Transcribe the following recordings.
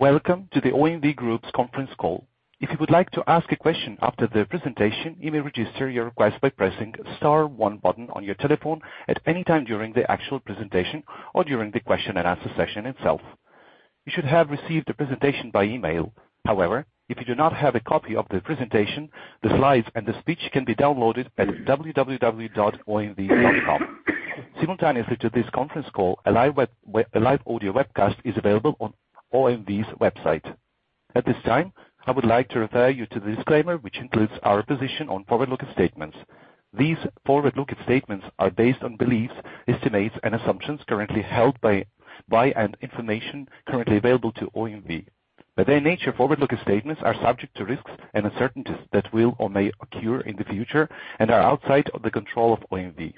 Welcome to the OMV Group's Conference Call. If you would like to ask a question after the presentation, you may register your request by pressing star one button on your telephone at any time during the actual presentation or during the question and answer session itself. You should have received the presentation by email. However, if you do not have a copy of the presentation, the slides and the speech can be downloaded at www.omv.com. Simultaneously to this conference call, a live audio webcast is available on OMV's website. At this time, I would like to refer you to the disclaimer, which includes our position on forward-looking statements. These forward-looking statements are based on beliefs, estimates, and assumptions currently held by and information currently available to OMV. By their nature, forward-looking statements are subject to risks and uncertainties that will or may occur in the future and are outside of the control of OMV.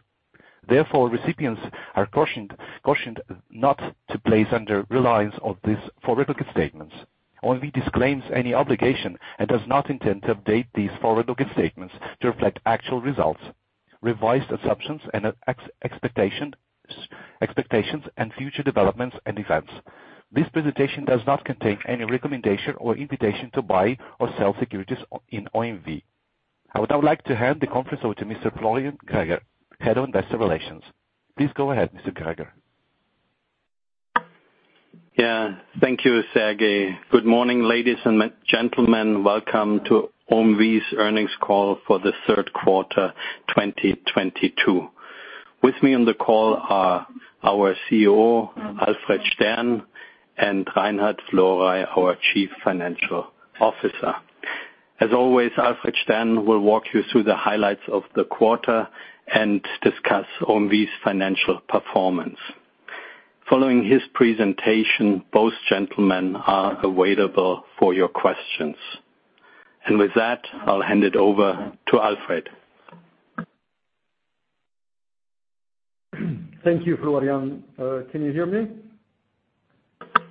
Therefore, recipients are cautioned not to place undue reliance on these forward-looking statements. OMV disclaims any obligation and does not intend to update these forward-looking statements to reflect actual results, revised assumptions and expectations and future developments and events. This presentation does not contain any recommendation or invitation to buy or sell securities in OMV. I would now like to hand the conference over to Mr. Florian Greger, Head of Investor Relations. Please go ahead, Mr. Greger. Yeah. Thank you, Sergey. Good morning, ladies and gentlemen. Welcome to OMV's earnings call for the 3rd quarter 2022. With me on the call are our CEO, Alfred Stern, and Reinhard Florey, our Chief Financial Officer. As always, Alfred Stern will walk you through the highlights of the quarter and discuss OMV's financial performance. Following his presentation, both gentlemen are available for your questions. With that, I'll hand it over to Alfred. Thank you, Florian. Can you hear me?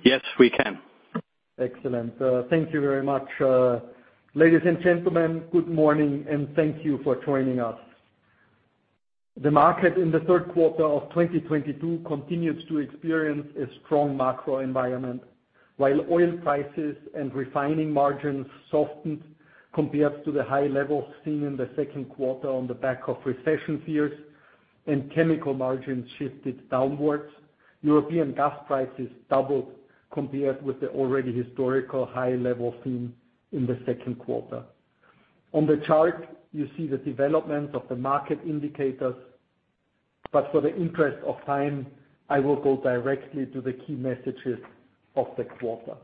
Yes, we can. Excellent. Thank you very much. Ladies and gentlemen, good morning, and thank you for joining us. The market in the 3rd quarter of 2022 continues to experience a strong macro environment. While oil prices and refining margins softened compared to the high levels seen in the 2nd quarter on the back of recession fears and chemical margins shifted downwards, European gas prices doubled compared with the already historical high level seen in the 2nd quarter. On the chart, you see the developments of the market indicators, but for the interest of time, I will go directly to the key messages of the quarter.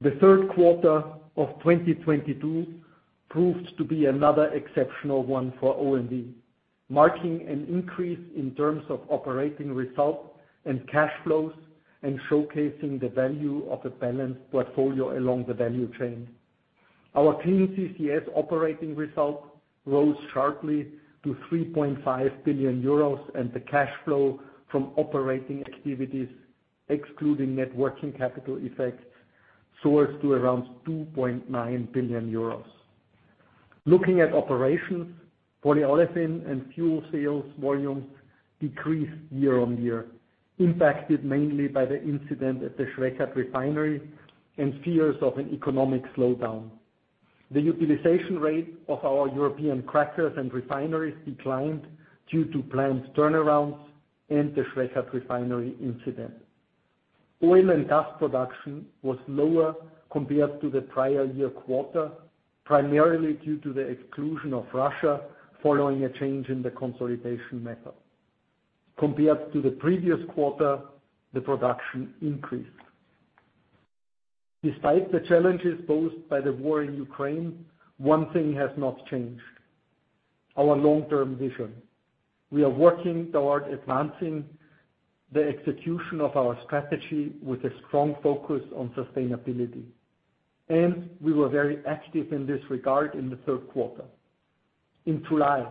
The 3rd quarter of 2022 proved to be another exceptional one for OMV, marking an increase in terms of operating results and cash flows and showcasing the value of a balanced portfolio along the value chain. Our Clean CCS operating result rose sharply to 3.5 billion euros, and the cash flow from operating activities, excluding net working capital effects, soared to around 2.9 billion euros. Looking at operations, polyolefin and fuel sales volumes decreased year-on-year, impacted mainly by the incident at the Schwechat Refinery and fears of an economic slowdown. The utilization rate of our European crackers and refineries declined due to planned turnarounds and the Schwechat Refinery incident. Oil and gas production was lower compared to the prior-year quarter, primarily due to the exclusion of Russia following a change in the consolidation method. Compared to the previous quarter, the production increased. Despite the challenges posed by the war in Ukraine, one thing has not changed, our long-term vision. We are working toward advancing the execution of our strategy with a strong focus on sustainability, and we were very active in this regard in the 3rd quarter. In July,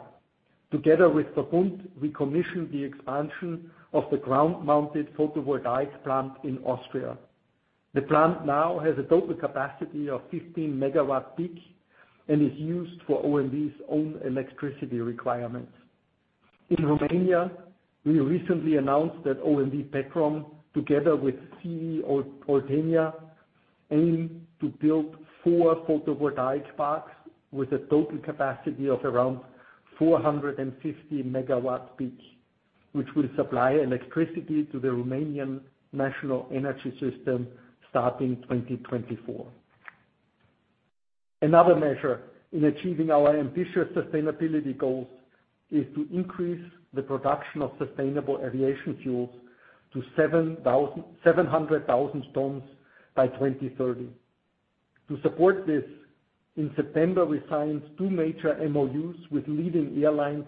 together with VERBUND, we commissioned the expansion of the ground-mounted photovoltaic plant in Austria. The plant now has a total capacity of 15 MW peak and is used for OMV's own electricity requirements. In Romania, we recently announced that OMV Petrom, together with CE Oltenia, aim to build four photovoltaic parks with a total capacity of around 450 MW peak, which will supply electricity to the Romanian national energy system starting 2024. Another measure in achieving our ambitious sustainability goals is to increase the production of sustainable aviation fuels to 700,000 tons by 2030. To support this, in September, we signed two major MOUs with leading airlines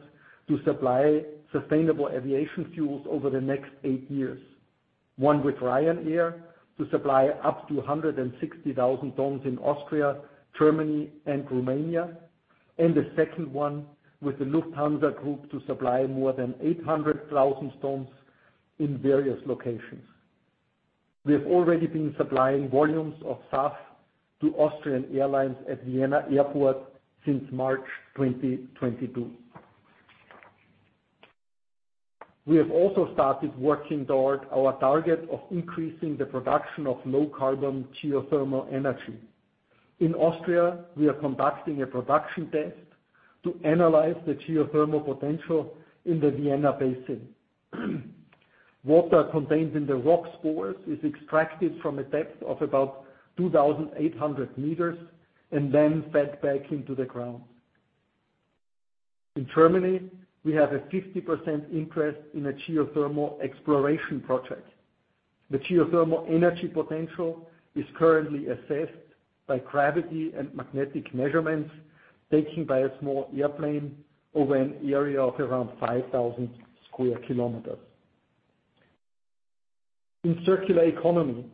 to supply sustainable aviation fuels over the next eight years. One with Ryanair to supply up to 160,000 tons in Austria, Germany, and Romania, and the second one with the Lufthansa Group to supply more than 800,000 tons in various locations. We have already been supplying volumes of SAF to Austrian Airlines at Vienna Airport since March 2022. We have also started working toward our target of increasing the production of low-carbon geothermal energy. In Austria, we are conducting a production test to analyze the geothermal potential in the Vienna Basin. Water contained in the rock pores is extracted from a depth of about 2,800 meters and then fed back into the ground. In Germany, we have a 50% interest in a geothermal exploration project. The geothermal energy potential is currently assessed by gravity and magnetic measurements taken by a small airplane over an area of around 5,000 sq km. In circular economy,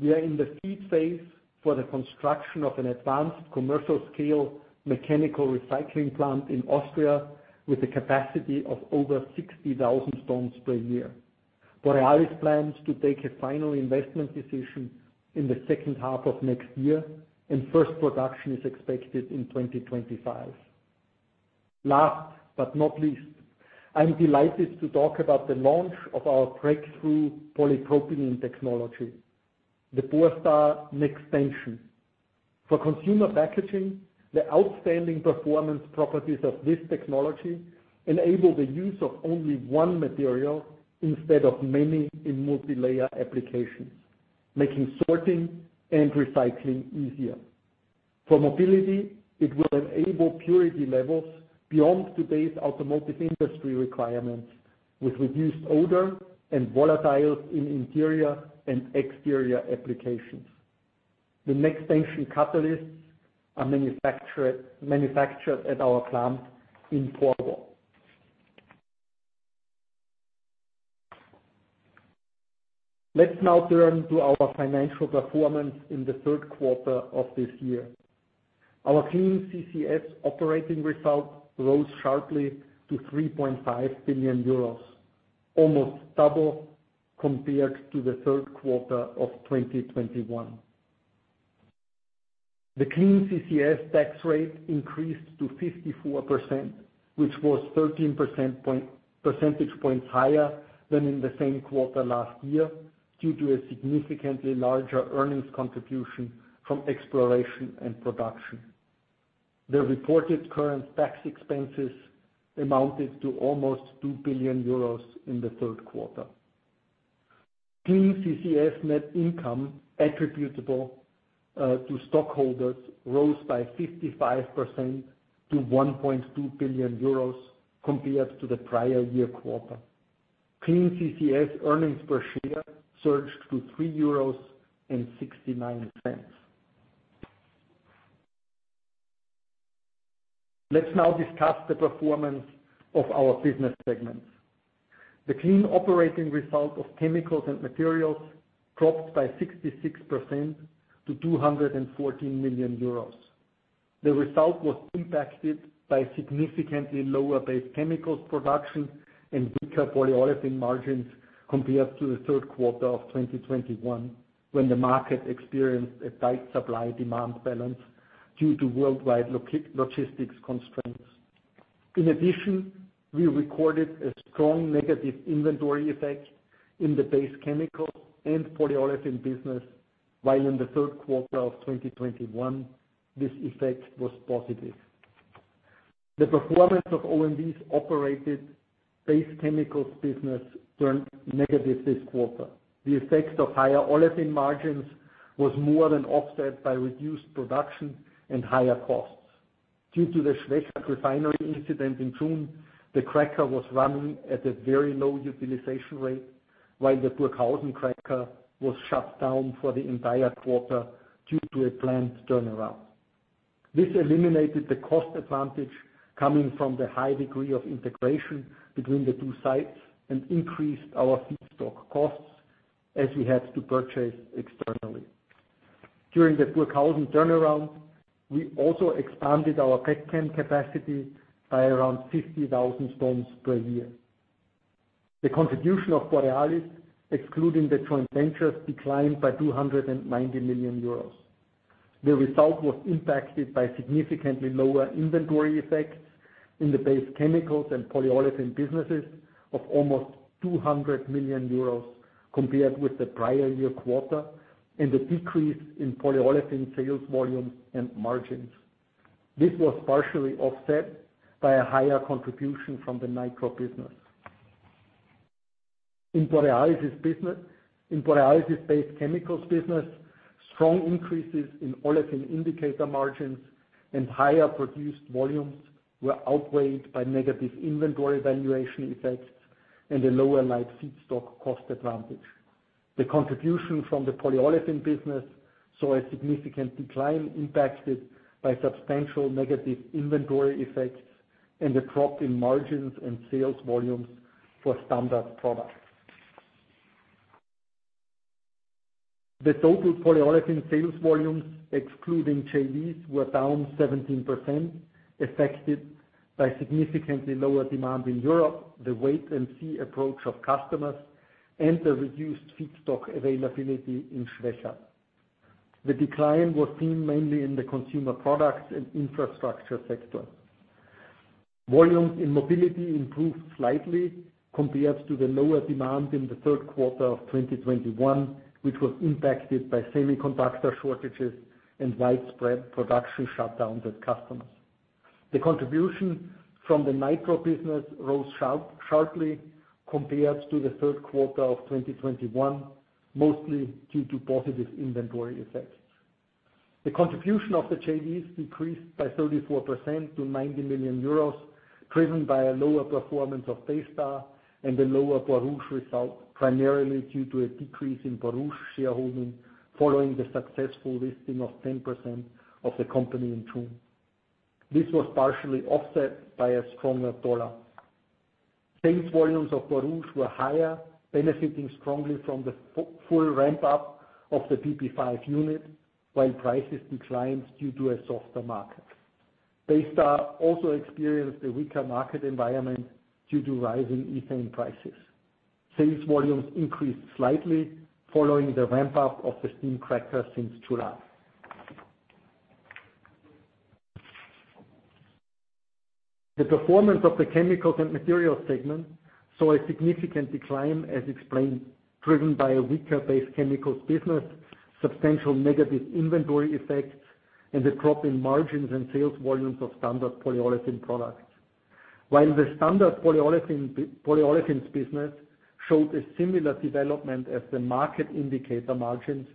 we are in the feed phase for the construction of an advanced commercial-scale mechanical recycling plant in Austria with a capacity of over 60,000 tons per year. Borealis plans to take a final investment decision in the 2nd half of next year, and first production is expected in 2025. Last but not least, I'm delighted to talk about the launch of our breakthrough polypropylene technology, the Borstar Nextension. For consumer packaging, the outstanding performance properties of this technology enable the use of only one material instead of many in multilayer applications, making sorting and recycling easier. For mobility, it will enable purity levels beyond today's automotive industry requirements, with reduced odor and volatiles in interior and exterior applications. The Borstar Nextension catalysts are manufactured at our plant in Porvoo. Let's now turn to our financial performance in the 3rd quarter of this year. Our Clean CCS operating results rose sharply to 3.5 billion euros, almost double compared to the 3rd quarter of 2021. The Clean CCS tax rate increased to 54%, which was 13 percentage points higher than in the same quarter last year, due to a significantly larger earnings contribution from exploration and production. The reported current tax expenses amounted to almost 2 billion euros in the 3rd quarter. Clean CCS net income attributable to stockholders rose by 55% to 1.2 billion euros compared to the prior-year quarter. Clean CCS earnings per share surged to 3.69 euros. Let's now discuss the performance of our business segments. The clean operating result of chemicals and materials dropped by 66% to 214 million euros. The result was impacted by significantly lower base chemicals production and weaker polyolefin margins compared to the 3rd quarter of 2021, when the market experienced a tight supply-demand balance due to worldwide logistics constraints. In addition, we recorded a strong negative inventory effect in the base chemical and polyolefin business, while in the 3rd quarter of 2021, this effect was positive. The performance of OMV's operated base chemicals business turned negative this quarter. The effects of higher olefin margins was more than offset by reduced production and higher costs. Due to the Schwechat refinery incident in June, the cracker was running at a very low utilization rate, while the Burghausen cracker was shut down for the entire quarter due to a planned turnaround. This eliminated the cost advantage coming from the high degree of integration between the two sites and increased our feedstock costs as we had to purchase externally. During the Burghausen turnaround, we also expanded our Petchem capacity by around 50,000 tons per year. The contribution of Borealis, excluding the joint ventures, declined by 290 million euros. The result was impacted by significantly lower inventory effects in the base chemicals and polyolefin businesses of almost 200 million euros compared with the prior-year quarter and the decrease in polyolefin sales volume and margins. This was partially offset by a higher contribution from the Nitro business. In Borealis' base chemicals business, strong increases in olefin indicator margins and higher produced volumes were outweighed by negative inventory valuation effects and a lower light feedstock cost advantage. The contribution from the polyolefin business saw a significant decline impacted by substantial negative inventory effects and a drop in margins and sales volumes for standard products. The total polyolefin sales volumes, excluding JVs, were down 17%, affected by significantly lower demand in Europe, the wait-and-see approach of customers, and the reduced feedstock availability in Schwechat. The decline was seen mainly in the consumer products and infrastructure sector. Volumes in mobility improved slightly compared to the lower demand in the 3rd quarter of 2021, which was impacted by semiconductor shortages and widespread production shutdowns at customers. The contribution from the Nitro business rose sharply compared to the 3rd quarter of 2021, mostly due to positive inventory effects. The contribution of the JVs decreased by 34% to 90 million euros, driven by a lower performance of Baystar and the lower Borouge result, primarily due to a decrease in Borouge shareholding following the successful listing of 10% of the company in June. This was partially offset by a stronger dollar. Sales volumes of Borouge were higher, benefiting strongly from the full ramp up of the PP5 unit, while prices declined due to a softer market. Baystar also experienced a weaker market environment due to rising ethane prices. Sales volumes increased slightly following the ramp up of the steam cracker since July. The performance of the chemicals and materials segment saw a significant decline, as explained, driven by a weaker base chemicals business, substantial negative inventory effects, and the drop in margins and sales volumes of standard polyolefin products. While the standard polyolefins business showed a similar development as the market indicator margins,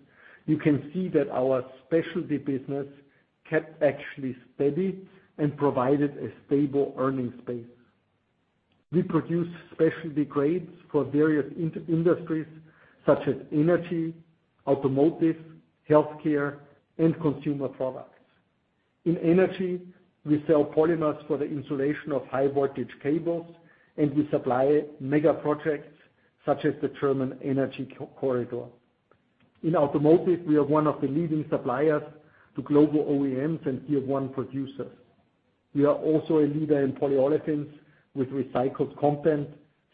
you can see that our specialty business kept actually steady and provided a stable earning space. We produce specialty grades for various industries such as energy, automotive, healthcare, and consumer products. In energy, we sell polymers for the insulation of high voltage cables, and we supply mega projects such as the German Energy Corridor. In automotive, we are one of the leading suppliers to global OEMs and Tier One producers. We are also a leader in polyolefins with recycled content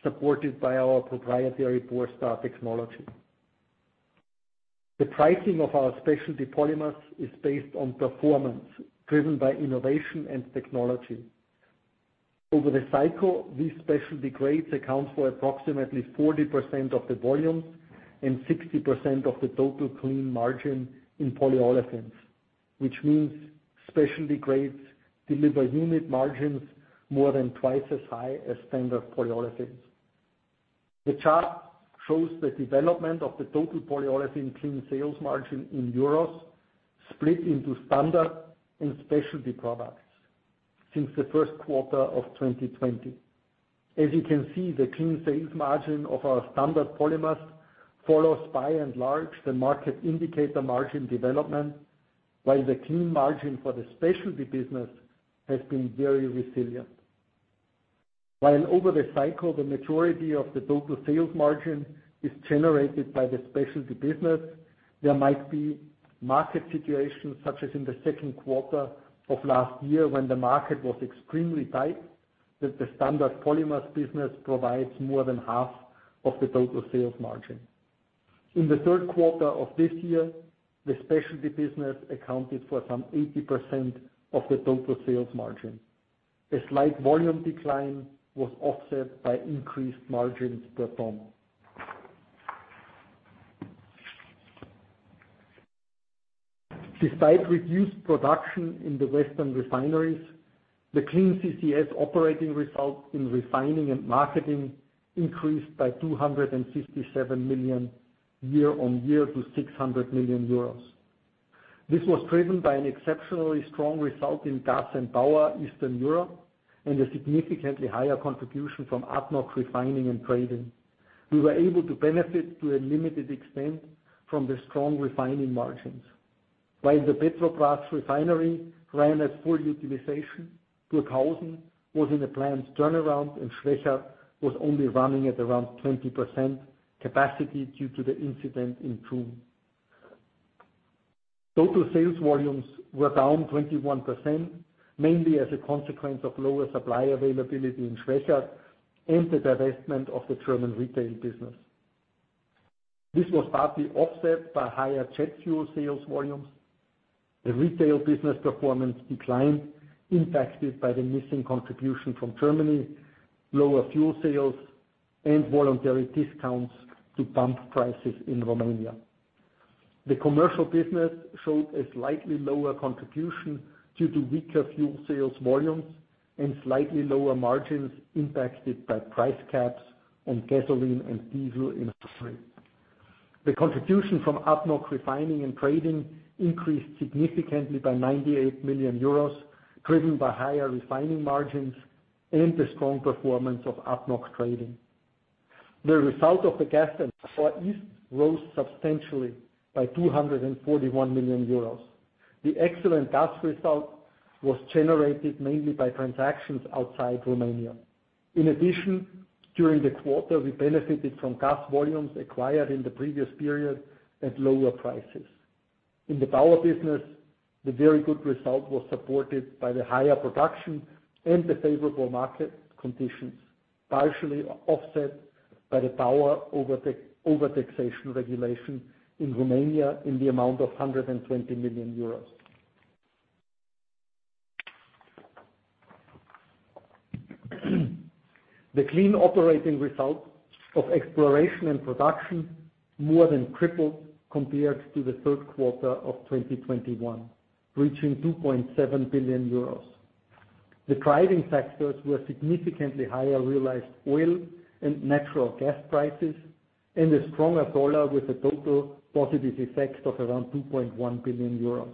supported by our proprietary Borstar technology. The pricing of our specialty polymers is based on performance driven by innovation and technology. Over the cycle, these specialty grades account for approximately 40% of the volumes and 60% of the total clean margin in polyolefins, which means specialty grades deliver unit margins more than twice as high as standard polyolefins. The chart shows the development of the total polyolefin clean sales margin in euros split into standard and specialty products since the 1st quarter of 2020. As you can see, the clean sales margin of our standard polymers follows by and large the market indicator margin development, while the clean margin for the specialty business has been very resilient. While over the cycle, the majority of the total sales margin is generated by the specialty business, there might be market situations, such as in the 2nd quarter of last year when the market was extremely tight, that the standard polymers business provides more than half of the total sales margin. In the 3rd quarter of this year, the specialty business accounted for some 80% of the total sales margin. A slight volume decline was offset by increased margins per ton. Despite reduced production in the Western refineries, the Clean CCS operating result in refining and marketing increased by 257 million year-over-year to 600 million euros. This was driven by an exceptionally strong result in Gas and Power Eastern Europe, and a significantly higher contribution from ADNOC Refining and Trading. We were able to benefit to a limited extent from the strong refining margins. While the Petrobrazi refinery ran at full utilization, Burghausen was in a planned turnaround, and Schwechat was only running at around 20% capacity due to the incident in June. Total sales volumes were down 21%, mainly as a consequence of lower supply availability in Schwechat and the divestment of the German retail business. This was partly offset by higher jet fuel sales volumes. The retail business performance declined, impacted by the missing contribution from Germany, lower fuel sales, and voluntary discounts to pump prices in Romania. The commercial business showed a slightly lower contribution due to weaker fuel sales volumes and slightly lower margins impacted by price caps on gasoline and diesel in Austria. The contribution from ADNOC Refining and Trading increased significantly by 98 million euros, driven by higher refining margins and the strong performance of ADNOC trading. The result of the Gas and Power East rose substantially by 241 million euros. The excellent gas result was generated mainly by transactions outside Romania. In addition, during the quarter, we benefited from gas volumes acquired in the previous period at lower prices. The very good result was supported by the higher production and the favorable market conditions, partially offset by the power over-taxation regulation in Romania in the amount of 120 million euros. The clean operating result of exploration and production more than tripled compared to the 3rd quarter of 2021, reaching 2.7 billion euros. The driving factors were significantly higher realized oil and natural gas prices, and a stronger dollar with a total positive effect of around 2.1 billion euros.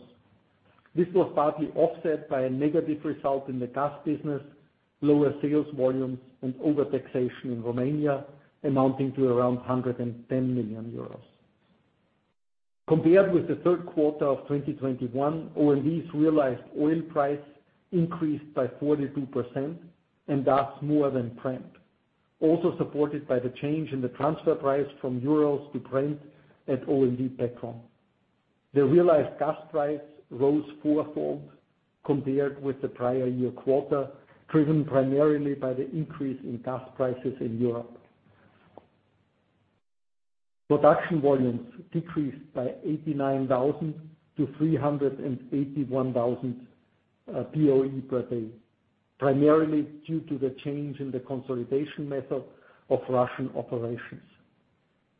This was partly offset by a negative result in the gas business, lower sales volumes, and overtaxation in Romania, amounting to around 110 million euros. Compared with the 3rd quarter of 2021, OMV's realized oil price increased by 42% and thus more than Brent, also supported by the change in the transfer price from euros to Brent at OMV Petrom. The realized gas price rose fourfold compared with the prior-year quarter, driven primarily by the increase in gas prices in Europe. Production volumes decreased by 89,000 BOE to 381,000 BOE per day, primarily due to the change in the consolidation method of Russian operations.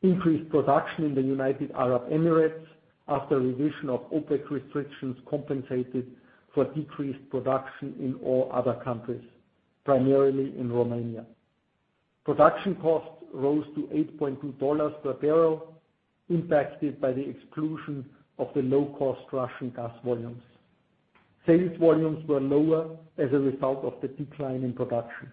Increased production in the United Arab Emirates after revision of OPEC restrictions compensated for decreased production in all other countries, primarily in Romania. Production costs rose to $8.2 per barrel, impacted by the exclusion of the low-cost Russian gas volumes. Sales volumes were lower as a result of the decline in production.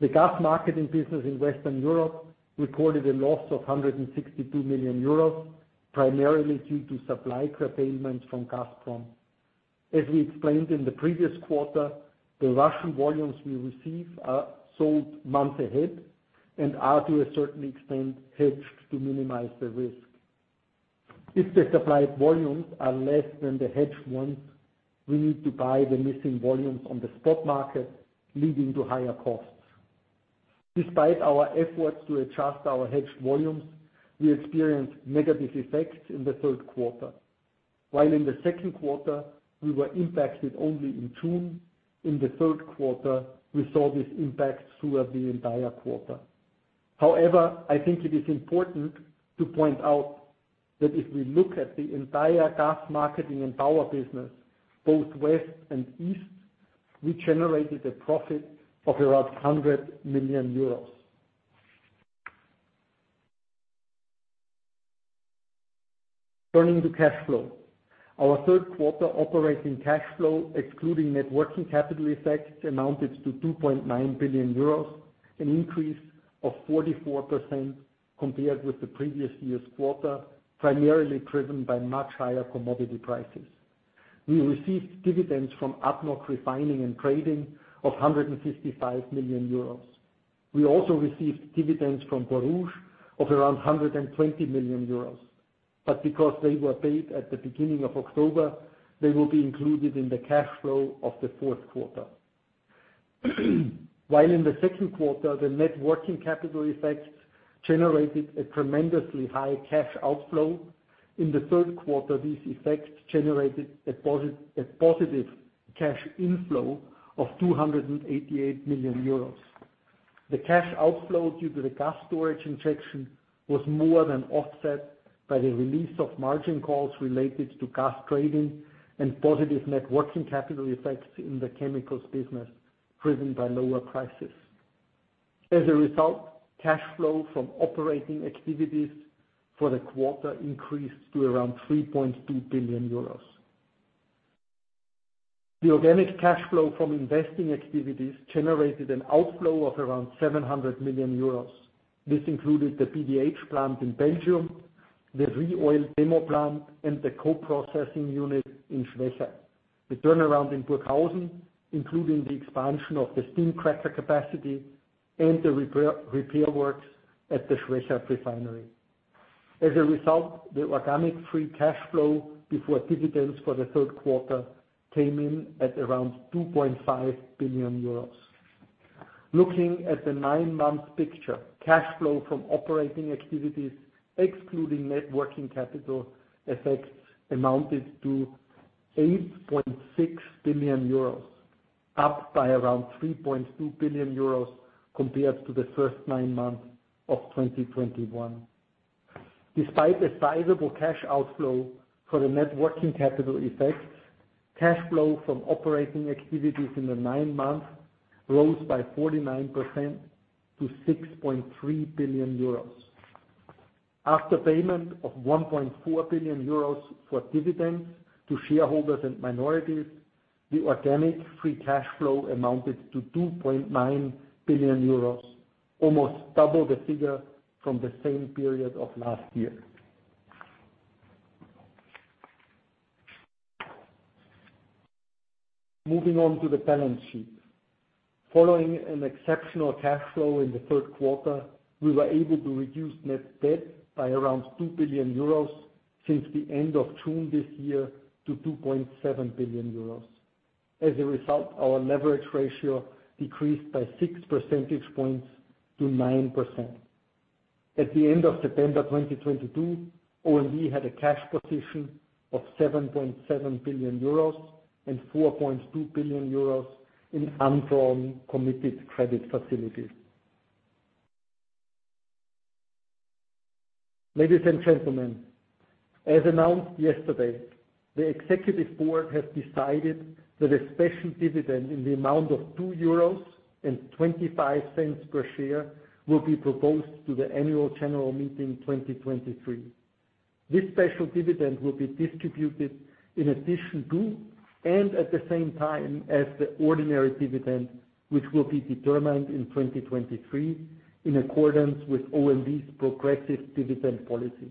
The gas marketing business in Western Europe reported a loss of 162 million euros, primarily due to supply curtailment from Gazprom. As we explained in the previous quarter, the Russian volumes we receive are sold months ahead and are, to a certain extent, hedged to minimize the risk. If the supplied volumes are less than the hedged ones, we need to buy the missing volumes on the spot market, leading to higher costs. Despite our efforts to adjust our hedged volumes, we experienced negative effects in the 3rd quarter. While in the 2nd quarter we were impacted only in June, in the 3rd quarter, we saw this impact throughout the entire quarter. However, I think it is important to point out that if we look at the entire gas marketing and power business, both West and East, we generated a profit of around 100 million euros. Turning to cash flow. Our 3rd quarter operating cash flow, excluding net working capital effects, amounted to 2.9 billion euros, an increase of 44% compared with the previous year's quarter, primarily driven by much higher commodity prices. We received dividends from ADNOC Refining and Trading of 155 million euros. We also received dividends from Borouge of around 120 million euros. Because they were paid at the beginning of October, they will be included in the cash flow of the 4th quarter. While in the 2nd quarter, the net working capital effects generated a tremendously high cash outflow, in the 3rd quarter, these effects generated a positive cash inflow of 288 million euros. The cash outflow due to the gas storage injection was more than offset by the release of margin calls related to gas trading and positive net working capital effects in the chemicals business, driven by lower prices. As a result, cash flow from operating activities for the quarter increased to around 3.2 billion euros. The organic cash flow from investing activities generated an outflow of around 700 million euros. This included the PDH plant in Belgium, the ReOil demo plant, and the co-processing unit in Schwechat, the turnaround in Burghausen, including the expansion of the steam cracker capacity and the repair works at the Schwechat Refinery. As a result, the organic free cash flow before dividends for the 3rd quarter came in at around 2.5 billion euros. Looking at the nine-month picture, cash flow from operating activities, excluding net working capital effects, amounted to 8.6 billion euros, up by around 3.2 billion euros compared to the first nine months of 2021. Despite a sizable cash outflow for the net working capital effects, cash flow from operating activities in the nine months rose by 49% to 6.3 billion euros. After payment of 1.4 billion euros for dividends to shareholders and minorities, the organic free cash flow amounted to 2.9 billion euros, almost double the figure from the same period of last year. Moving on to the balance sheet. Following an exceptional cash flow in the 3rd quarter, we were able to reduce net debt by around 2 billion euros since the end of June this year to 2.7 billion euros. As a result, our leverage ratio decreased by 6 percentage points to 9%. At the end of September 2022, OMV had a cash position of 7.7 billion euros and 4.2 billion euros in undrawn committed credit facility. Ladies and gentlemen, as announced yesterday, the executive board has decided that a special dividend in the amount of 2.25 euros per share will be proposed to the annual general meeting 2023. This special dividend will be distributed in addition to, and at the same time as the ordinary dividend, which will be determined in 2023 in accordance with OMV's progressive dividend policy.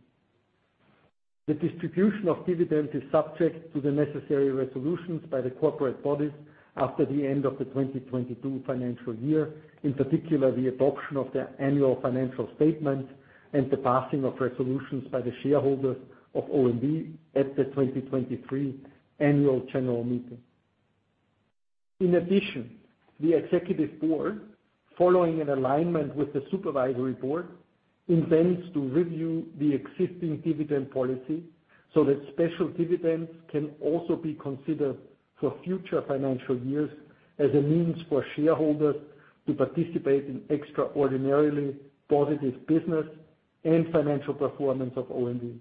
The distribution of dividend is subject to the necessary resolutions by the corporate bodies after the end of the 2022 financial year, in particular, the adoption of the annual financial statement and the passing of resolutions by the shareholders of OMV at the 2023 annual general meeting. In addition, the executive board, following an alignment with the supervisory board, intends to review the existing dividend policy so that special dividends can also be considered for future financial years as a means for shareholders to participate in extraordinarily positive business and financial performance of OMV.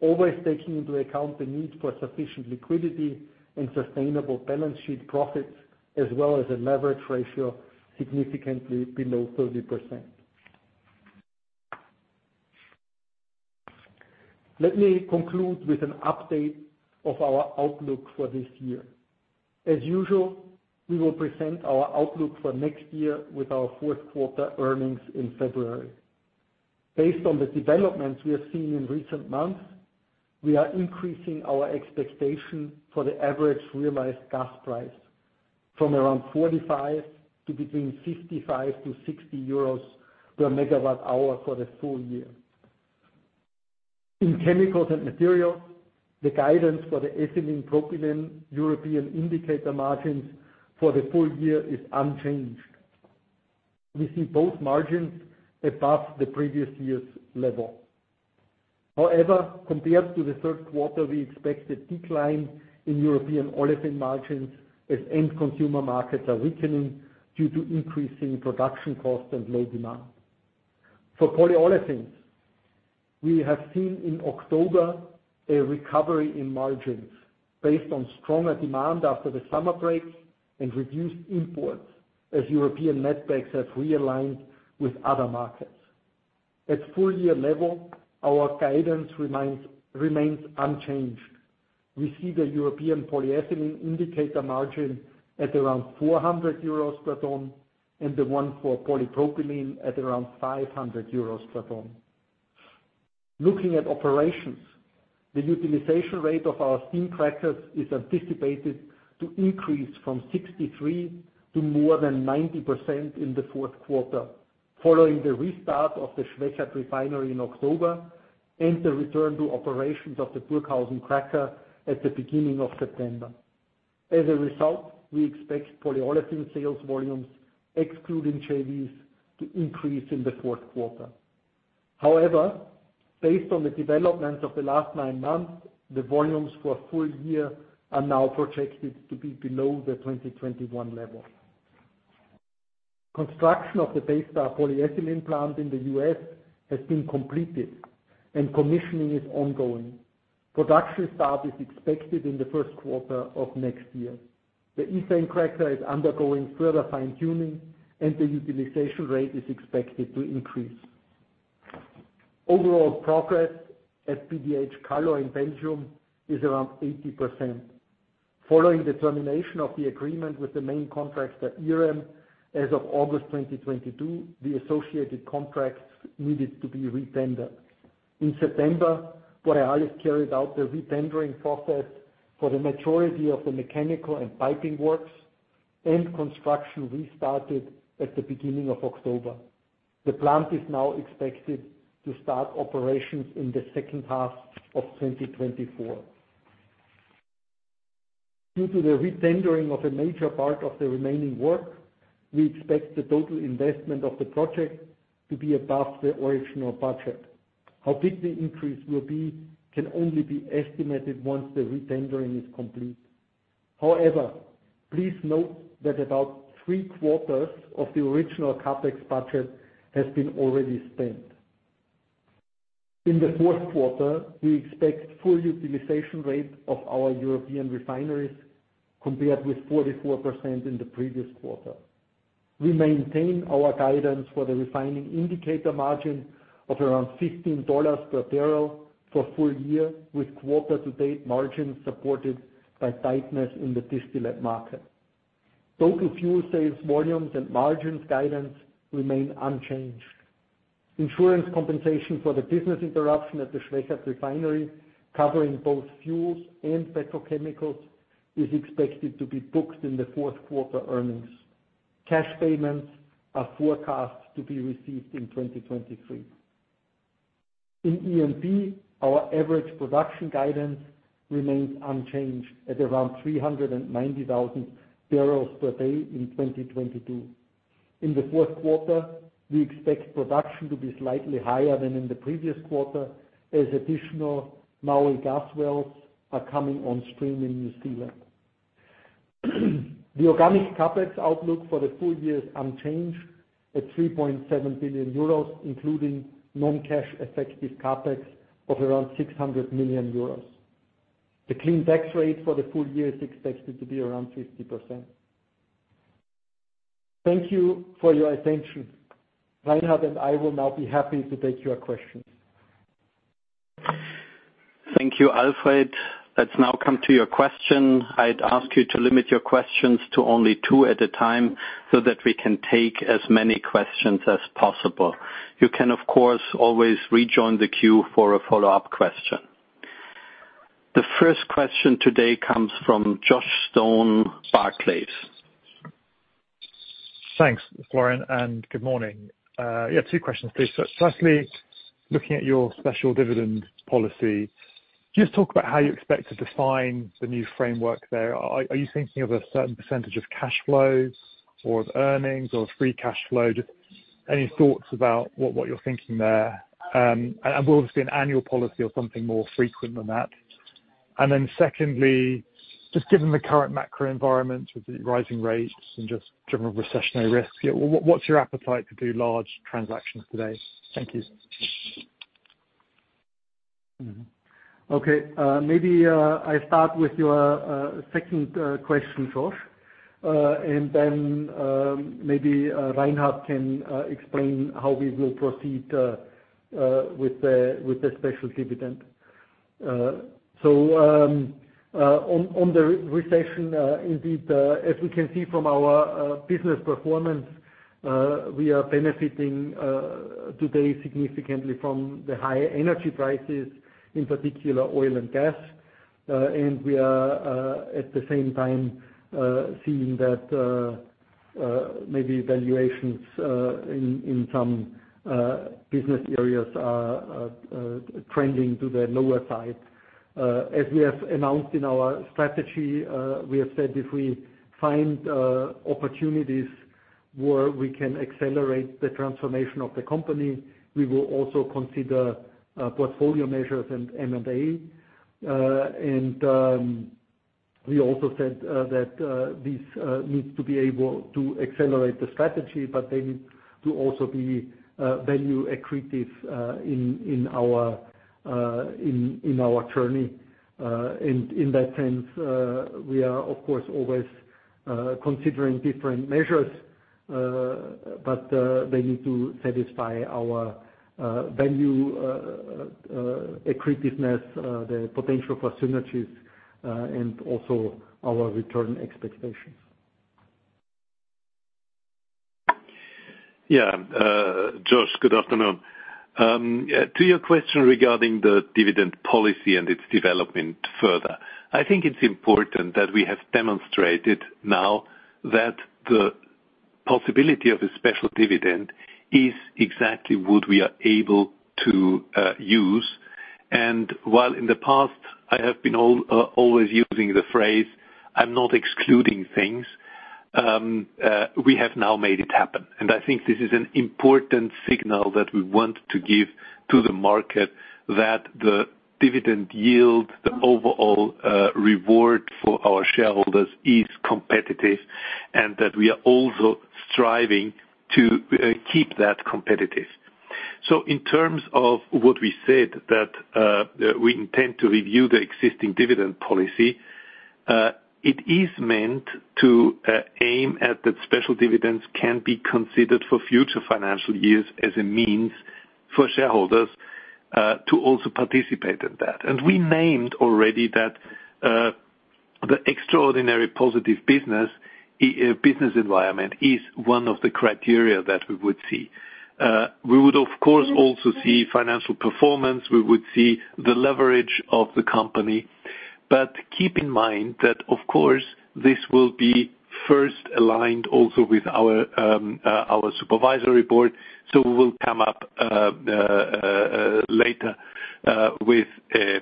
Always taking into account the need for sufficient liquidity and sustainable balance sheet profits, as well as a leverage ratio significantly below 30%. Let me conclude with an update of our outlook for this year. As usual, we will present our outlook for next year with our 4th quarter earnings in February. Based on the developments we have seen in recent months, we are increasing our expectation for the average realized gas price from around 45 to between 65-60 euros per MWh for the full year. In chemicals and materials, the guidance for the ethylene propylene European indicator margins for the full year is unchanged. We see both margins above the previous year's level. However, compared to the 3rd quarter, we expect a decline in European olefin margins as end consumer markets are weakening due to increasing production costs and low demand. For polyolefins, we have seen in October a recovery in margins based on stronger demand after the summer breaks and reduced imports as European netbacks have realigned with other markets. At full-year level, our guidance remains unchanged. We see the European polyethylene indicator margin at around 400 euros per ton, and the one for polypropylene at around 500 euros per ton. Looking at operations, the utilization rate of our steam crackers is anticipated to increase from 63% to more than 90% in the 4th quarter, following the restart of the Schwechat refinery in October and the return to operations of the Burghausen cracker at the beginning of September. As a result, we expect polyolefin sales volumes, excluding JVs, to increase in the 4th quarter. However, based on the developments of the last nine months, the volumes for a full year are now projected to be below the 2021 level. Construction of the Baystar polyethylene plant in the U.S. has been completed and commissioning is ongoing. Production start is expected in the 1st quarter of next year. The ethane cracker is undergoing further fine-tuning, and the utilization rate is expected to increase. Overall progress at PDH Kallo in Belgium is around 80%. Following the termination of the agreement with the main contractor, IREM-Ponticelli, as of August 2022, the associated contracts needed to be retendered. In September, Borealis carried out the retendering process for the majority of the mechanical and piping works, and construction restarted at the beginning of October. The plant is now expected to start operations in the 2nd half of 2024. Due to the retendering of a major part of the remaining work, we expect the total investment of the project to be above the original budget. How big the increase will be can only be estimated once the retendering is complete. However, please note that about three-quarters of the original CapEx budget has been already spent. In the 4th quarter, we expect full utilization rate of our European refineries compared with 44% in the previous quarter. We maintain our guidance for the refining indicator margin of around $15 per barrel for full year, with quarter-to-date margins supported by tightness in the distillate market. Total fuel sales volumes and margins guidance remain unchanged. Insurance compensation for the business interruption at the Schwechat refinery, covering both fuels and petrochemicals, is expected to be booked in the 4th quarter earnings. Cash payments are forecast to be received in 2023. In E&P, our average production guidance remains unchanged at around 390,000 barrels per day in 2022. In the 4th quarter, we expect production to be slightly higher than in the previous quarter as additional Maui gas wells are coming on stream in New Zealand. The organic CapEx outlook for the full year is unchanged at 3.7 billion euros, including non-cash effective CapEx of around 600 million euros. The clean tax rate for the full year is expected to be around 50%. Thank you for your attention. Reinhard and I will now be happy to take your questions. Thank you, Alfred. Let's now come to your question. I'd ask you to limit your questions to only two at a time so that we can take as many questions as possible. You can, of course, always rejoin the queue for a follow-up question. The first question today comes from Josh Stone, Barclays. Thanks, Florian, and good morning. Yeah, two questions, please. Firstly, looking at your special dividend policy, just talk about how you expect to define the new framework there. Are you thinking of a certain percentage of cash flows or of earnings or free cash flow? Just any thoughts about what you're thinking there. Will this be an annual policy or something more frequent than that? Then secondly, just given the current macro environment with the rising rates and just general recessionary risks, yeah, what's your appetite to do large transactions today? Thank you. Okay, maybe I start with your second question, Josh. Maybe Reinhard can explain how we will proceed with the special dividend. On the recession, indeed, as we can see from our business performance, we are benefiting today significantly from the high energy prices, in particular oil and gas. We are at the same time seeing that maybe valuations in some business areas are trending to the lower side. As we have announced in our strategy, we have said if we find opportunities where we can accelerate the transformation of the company, we will also consider portfolio measures and M&A. We also said that this needs to be able to accelerate the strategy, but they need to also be value accretive in our journey. In that sense, we are of course always considering different measures, but they need to satisfy our value accretiveness, the potential for synergies, and also our return expectations. Yeah. Josh, good afternoon. To your question regarding the dividend policy and its development further, I think it's important that we have demonstrated now that the possibility of a special dividend is exactly what we are able to use. While in the past I have been always using the phrase, I'm not excluding things, we have now made it happen. I think this is an important signal that we want to give to the market that the dividend yield, the overall reward for our shareholders is competitive and that we are also striving to keep that competitive. In terms of what we said that, we intend to review the existing dividend policy, it is meant to aim at that special dividends can be considered for future financial years as a means for shareholders to also participate in that. We named already that the extraordinary positive business environment is one of the criteria that we would see. We would of course also see financial performance, we would see the leverage of the company. Keep in mind that, of course, this will be first aligned also with our supervisory board, so we will come up later with a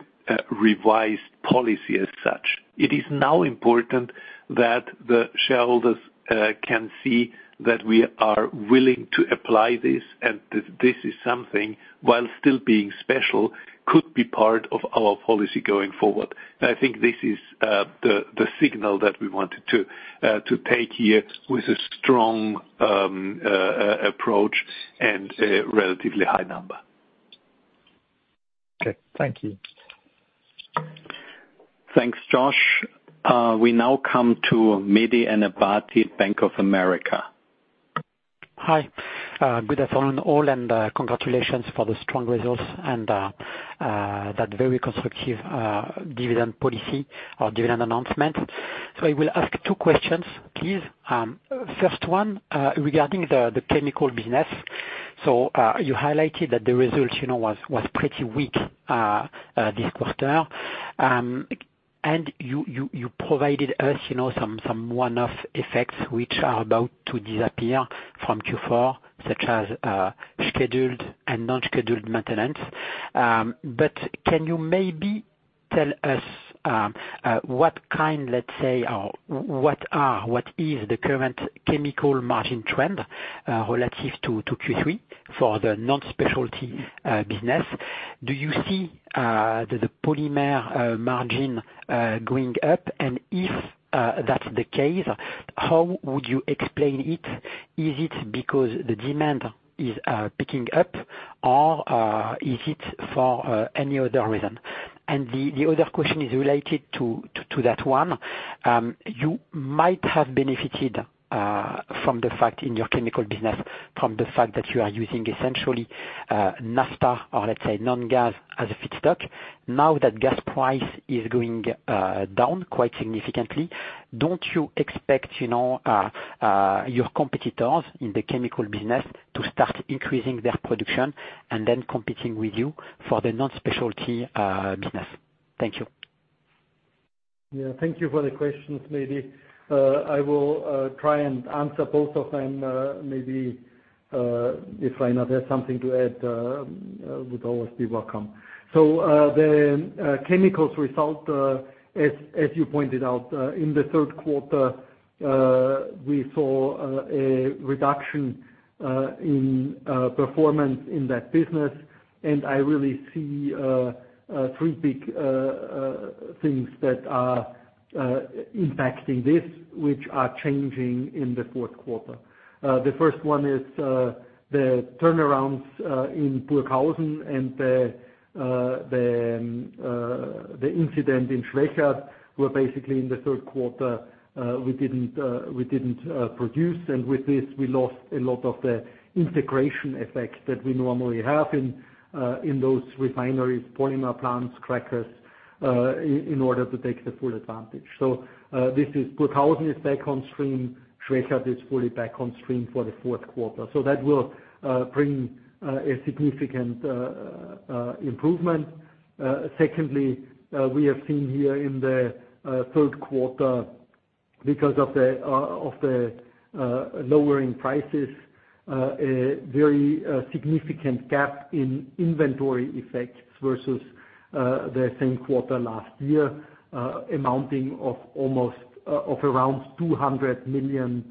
revised policy as such. It is now important that the shareholders can see that we are willing to apply this and this is something, while still being special, could be part of our policy going forward. I think this is the signal that we wanted to take here with a strong approach and a relatively high number. Okay. Thank you. Thanks, Josh. We now come to Mehdi Ennebati, Bank of America. Hi. Good afternoon all, and congratulations for the strong results and that very constructive dividend policy or dividend announcement. I will ask two questions, please. First one, regarding the chemical business. You highlighted that the results, you know, was pretty weak this quarter. And you provided us, you know, some one-off effects which are about to disappear from Q4, such as scheduled and non-scheduled maintenance. But can you maybe tell us what kind, let's say, or what is the current chemical margin trend relative to Q3 for the non-specialty business? Do you see the polymer margin going up? If that's the case, how would you explain it? Is it because the demand is picking up, or is it for any other reason? The other question is related to that one. You might have benefited from the fact in your chemical business that you are using essentially naphtha or let's say non-gas as a feedstock. Now that gas price is going down quite significantly, don't you expect, you know, your competitors in the chemical business to start increasing their production and then competing with you for the non-specialty business? Thank you. Yeah. Thank you for the questions. Maybe I will try and answer both of them. Maybe if Reinhard has something to add, would always be welcome. The chemicals result, as you pointed out, in the 3rd quarter, we saw a reduction in performance in that business. I really see three big things that are impacting this, which are changing in the 4th quarter. The first one is the turnarounds in Burghausen and the incident in Schwechat, where basically in the 3rd quarter, we didn't produce. With this, we lost a lot of the integration effect that we normally have in those refineries, polymer plants, crackers, in order to take the full advantage. This is, Burghausen is back on stream. Schwechat is fully back on stream for the 4th quarter. That will bring a significant improvement. Secondly, we have seen here in the 3rd quarter because of the lowering prices a very significant gap in inventory effects versus the same quarter last year amounting of almost of around 200 million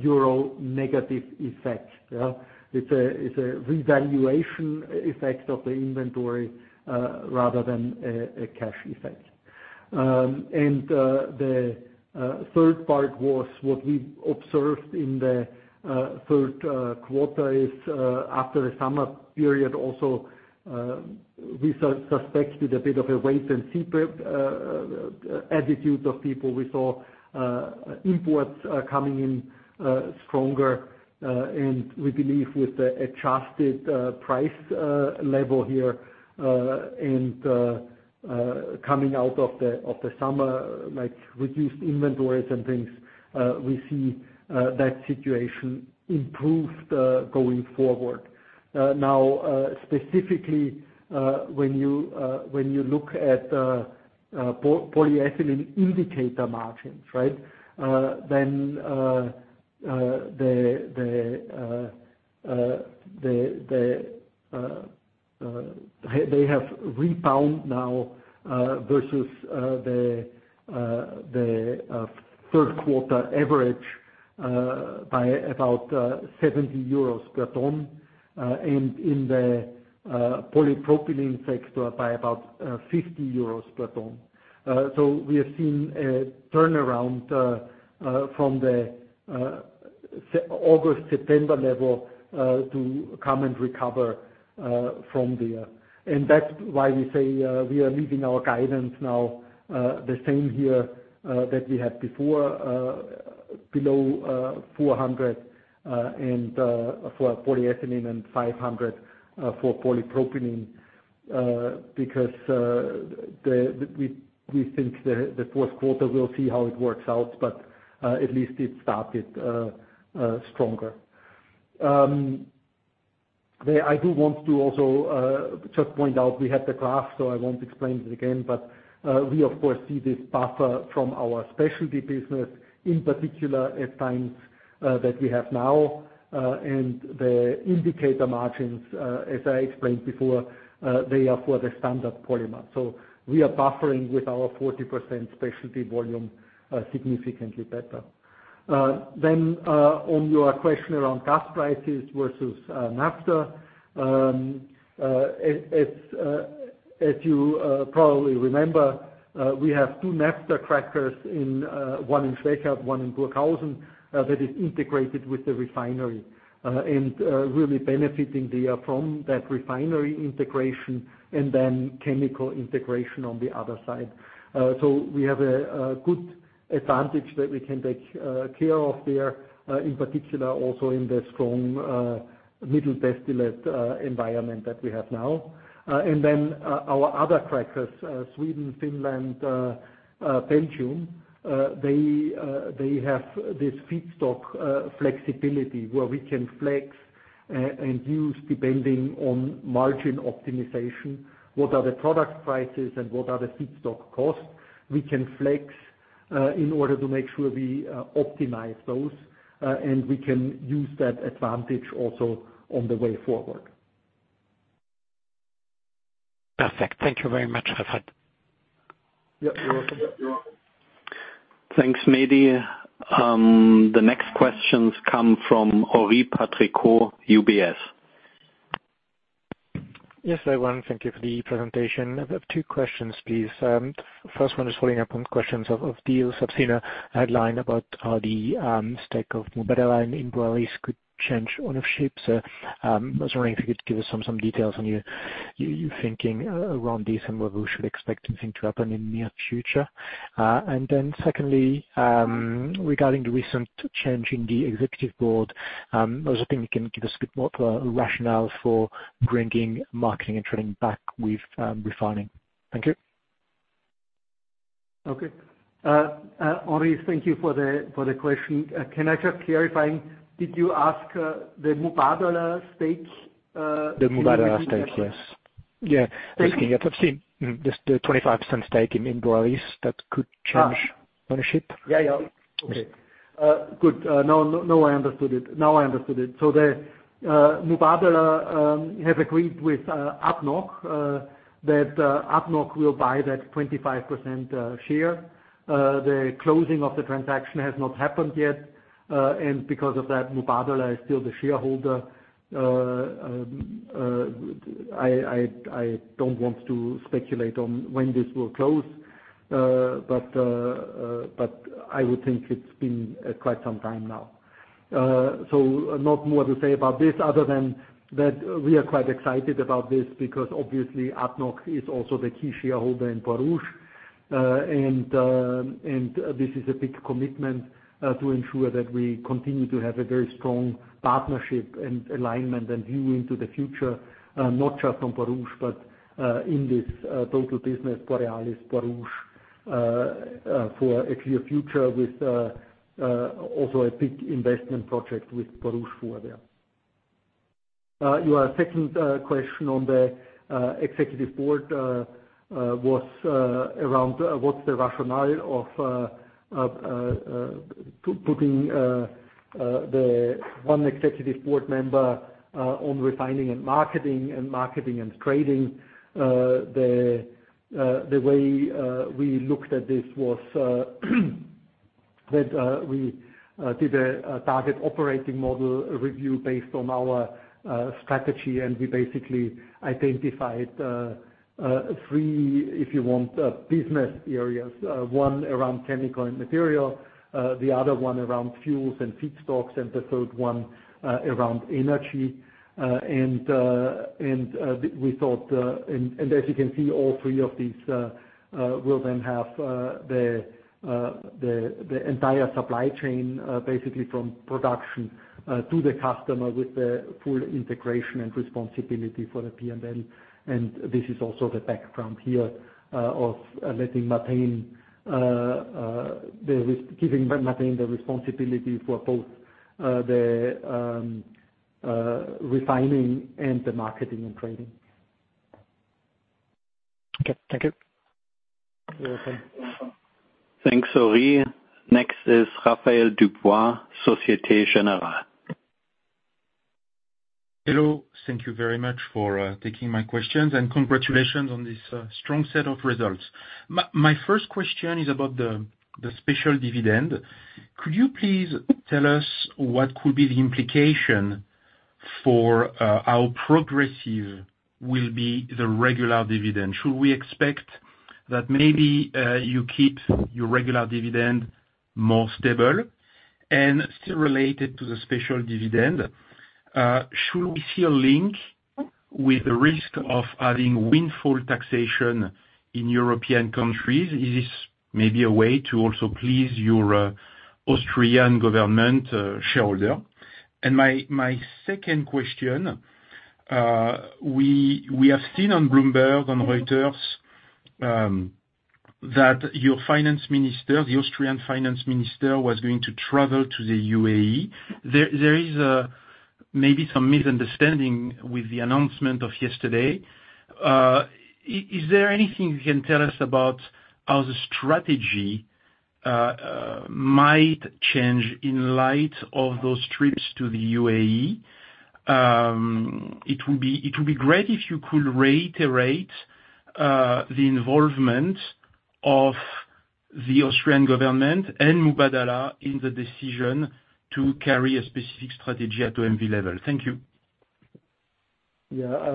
euro negative effect. Yeah. It's a revaluation effect of the inventory rather than a cash effect. The third part was what we observed in the 3rd quarter is after the summer period also we suspected a bit of a wait-and-see attitude of people. We saw imports coming in stronger. We believe with the adjusted price level here and coming out of the summer, like reduced inventories and things, we see that situation improved going forward. Now, specifically, when you look at polyethylene indicator margins, right? Then, they have rebound now versus the 3rd quarter average by about 70 euros per ton, and in the polypropylene sector by about 50 euros per ton. We have seen a turnaround from the August, September level to come and recover from there. That's why we say we are leaving our guidance now the same here that we had before below 400 for polyethylene and 500 for polypropylene because we think the 4th quarter we'll see how it works out, but at least it started stronger. I do want to also just point out we had the graph, so I won't explain it again, but we of course see this buffer from our specialty business, in particular at times that we have now. The indicative margins, as I explained before, they are for the standard polymer. We are buffering with our 40% specialty volume significantly better. On your question around gas prices versus naphtha, as you probably remember, we have two naphtha crackers in, one in Schwechat, one in Burghausen, that is integrated with the refinery, and really benefiting therefrom that refinery integration and then chemical integration on the other side. We have a good advantage that we can take care of there, in particular also in the strong middle distillate environment that we have now. Our other crackers, Sweden, Finland, Belgium, they have this feedstock flexibility where we can flex and use depending on margin optimization, what are the product prices and what are the feedstock costs. We can flex in order to make sure we optimize those, and we can use that advantage also on the way forward. Perfect. Thank you very much, Alfred. Yeah, you're welcome. Thanks, Mehdi. The next questions come from Henri Patricot, UBS. Yes, everyone. Thank you for the presentation. I have two questions, please. First one is following up on questions of deals. I've seen a headline about how the stake of Mubadala in Borealis could change ownership. I was wondering if you could give us some details on your thinking around this and whether we should expect anything to happen in near future. And then secondly, regarding the recent change in the executive board, I was hoping you can give us a bit more rationale for bringing marketing and trading back with refining? Thank you. Okay. Henri, thank you for the question. Can I just clarify? Did you ask the Mubadala stake? The Mubadala stake, yes. Yeah. Thank you. I've seen just the 25% stake in Borealis that could change ownership. Yeah, yeah. Okay. Good. Now I understood it. Mubadala has agreed with ADNOC that ADNOC will buy that 25% share. The closing of the transaction has not happened yet. Because of that, Mubadala is still the shareholder. I don't want to speculate on when this will close. I would think it's been quite some time now. Not more to say about this other than that we are quite excited about this because obviously ADNOC is also the key shareholder in Borouge. This is a big commitment to ensure that we continue to have a very strong partnership and alignment and view into the future, not just on Borouge, but in this total business, Borealis, Borouge, for a clear future with also a big investment project with Borouge who are there. Your second question on the executive board was around what's the rationale of putting the one executive board member on refining and marketing and trading. The way we looked at this was that we did a target operating model review based on our strategy, and we basically identified three, if you want, business areas. One around chemicals and materials, the other one around fuels and feedstocks, and the third one around energy. As you can see, all three of these will then have the entire supply chain basically from production to the customer with the full integration and responsibility for the P&L. This is also the background here of giving Martin the responsibility for both the refining and the marketing and trading. Okay. Thank you. You're welcome. Thanks, Henri. Next is Raphaël Dubois, Société Générale. Hello. Thank you very much for taking my questions, and congratulations on this strong set of results. My first question is about the special dividend. Could you please tell us what could be the implication for how progressive will be the regular dividend? Should we expect that maybe you keep your regular dividend more stable? And still related to the special dividend, should we see a link with the risk of having windfall taxation in European countries? Is this maybe a way to also please your Austrian government shareholder? My second question, we have seen on Bloomberg, on Reuters, that your finance minister, the Austrian finance minister, was going to travel to the UAE. There is maybe some misunderstanding with the announcement of yesterday. Is there anything you can tell us about how the strategy might change in light of those trips to the UAE? It would be great if you could reiterate the involvement of the Austrian government and Mubadala in the decision to carry a specific strategy at OMV level. Thank you.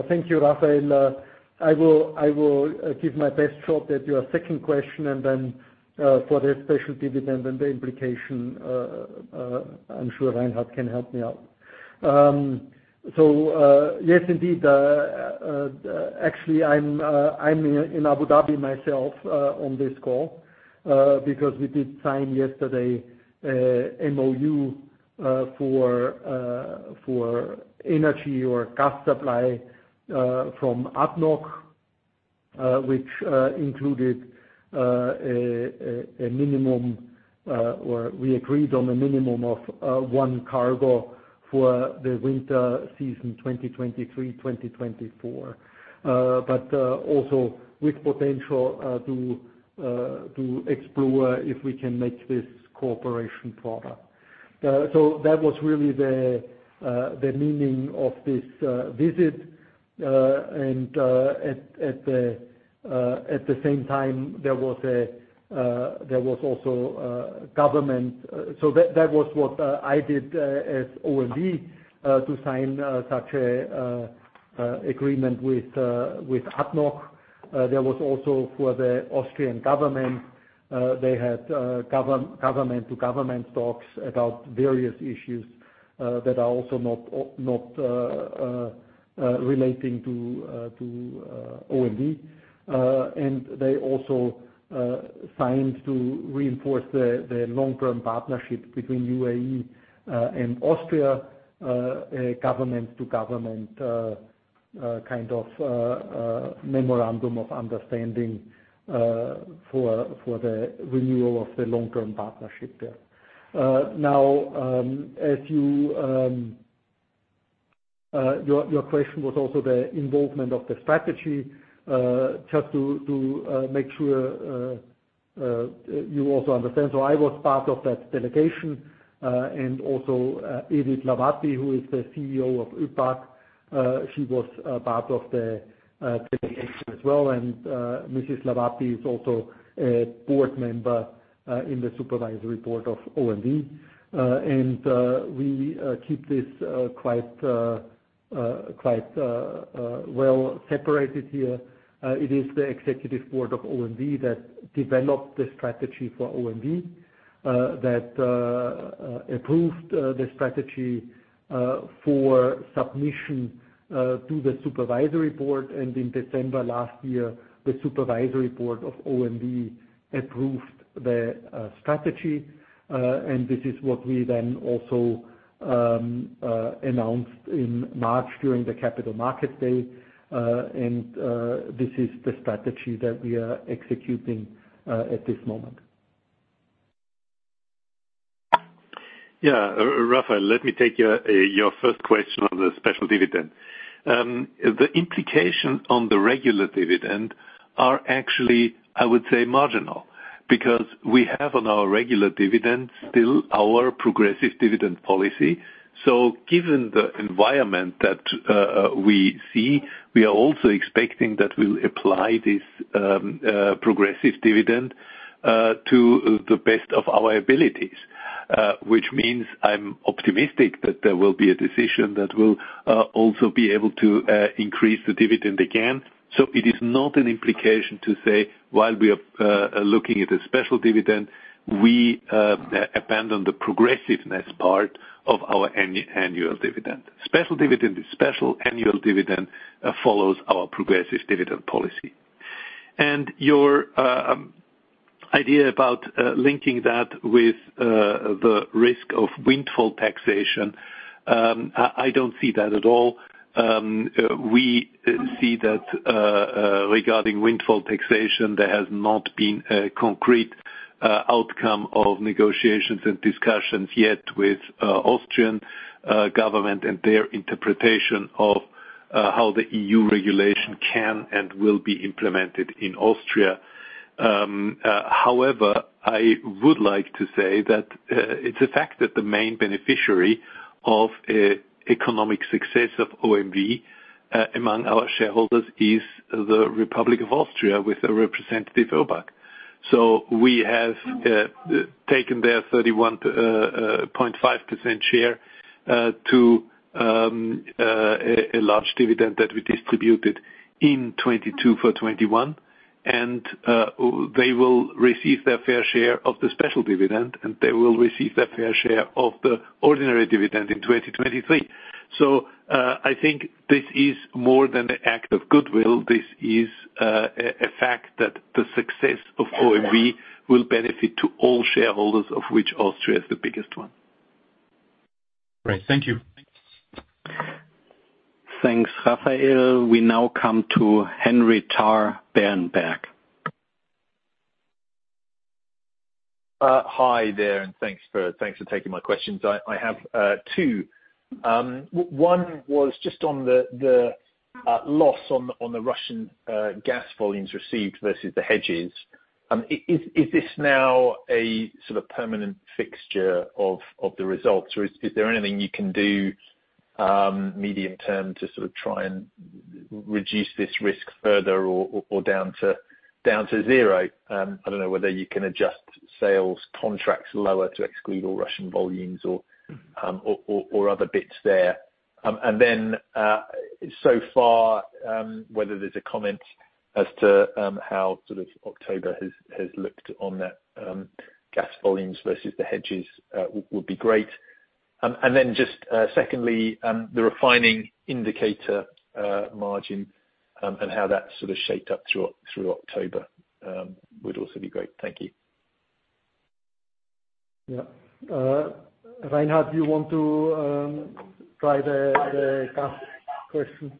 Thank you, Raphaël. I will give my best shot at your second question and then for the special dividend and the implication, I'm sure Reinhard can help me out. Yes, indeed, actually I'm in Abu Dhabi myself on this call because we did sign yesterday MOU for energy or gas supply from ADNOC, which included a minimum or we agreed on a minimum of one cargo for the winter season 2023, 2024. Also with potential to explore if we can make this cooperation further. That was really the meaning of this visit. At the same time, there was also government. That was what I did as OMV to sign such an agreement with ADNOC. There was also for the Austrian government, they had government to government talks about various issues that are also not relating to OMV. They also signed to reinforce the long-term partnership between UAE and Austria government to government, kind of a memorandum of understanding for the renewal of the long-term partnership there. Now, as you, your question was also the involvement of the strategy. Just to make sure you also understand. I was part of that delegation, and also Edith Hlawati, who is the CEO of ÖBAG. She was a part of the delegation as well. Mrs. Hlawati is also a board member in the supervisory board of OMV. We keep this quite well separated here. It is the executive board of OMV that developed the strategy for OMV, that approved the strategy for submission to the supervisory board. In December last year, the supervisory board of OMV approved the strategy. This is what we then also announced in March during the Capital Market Day. This is the strategy that we are executing at this moment. Yeah. Raphaël, let me take your first question on the special dividend. The implication on the regular dividend are actually, I would say, marginal, because we have on our regular dividend still our progressive dividend policy. Given the environment that we see, we are also expecting that we'll apply this progressive dividend to the best of our abilities. Which means I'm optimistic that there will be a decision that will also be able to increase the dividend again. It is not an implication to say while we are looking at a special dividend, we abandon the progressiveness part of our annual dividend. Special dividend is special. Annual dividend follows our progressive dividend policy. Your idea about linking that with the risk of windfall taxation, I don't see that at all. We see that regarding windfall taxation, there has not been a concrete outcome of negotiations and discussions yet with Austrian government and their interpretation of how the EU regulation can and will be implemented in Austria. However, I would like to say that it's a fact that the main beneficiary of economic success of OMV among our shareholders is the Republic of Austria with a representative, ÖBAG. We have taken their 31.5% share to a large dividend that we distributed in 2022 for 2021. They will receive their fair share of the special dividend, and they will receive their fair share of the ordinary dividend in 2023. I think this is more than an act of goodwill. This is a fact that the success of OMV will benefit to all shareholders, of which Austria is the biggest one. Great. Thank you. Thanks, Raphaël. We now come to Henry Tarr, Berenberg. Hi there, and thanks for taking my questions. I have two. One was just on the loss on the Russian gas volumes received versus the hedges. Is this now a sort of permanent fixture of the results, or is there anything you can do, medium term to sort of try and reduce this risk further or down to zero? I don't know whether you can adjust sales contracts lower to exclude all Russian volumes or other bits there. Whether there's a comment as to how sort of October has looked on that gas volumes versus the hedges would be great. Just secondly, the refining indicator margin and how that sort of shaped up through October would also be great? Thank you. Yeah. Reinhard, do you want to try the gas question?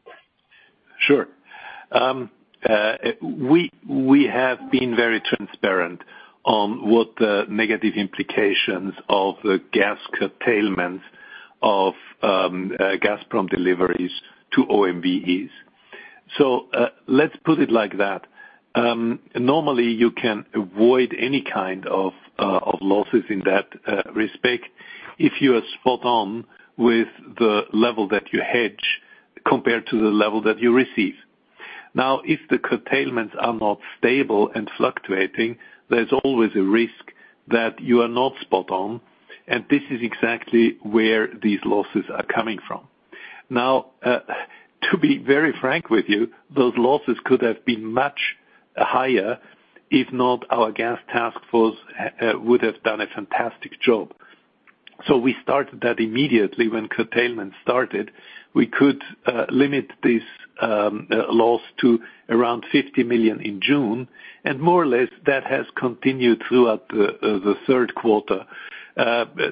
Sure. We have been very transparent on what the negative implications of gas curtailment of gas prompt deliveries to OMV is. Let's put it like that. Normally you can avoid any kind of losses in that respect if you are spot on with the level that you hedge compared to the level that you receive. Now, if the curtailments are not stable and fluctuating, there's always a risk that you are not spot on, and this is exactly where these losses are coming from. Now, to be very frank with you, those losses could have been much higher if not our gas task force would have done a fantastic job. We started that immediately when curtailment started. We could limit this loss to around 50 million in June, and more or less that has continued throughout the 3rd quarter.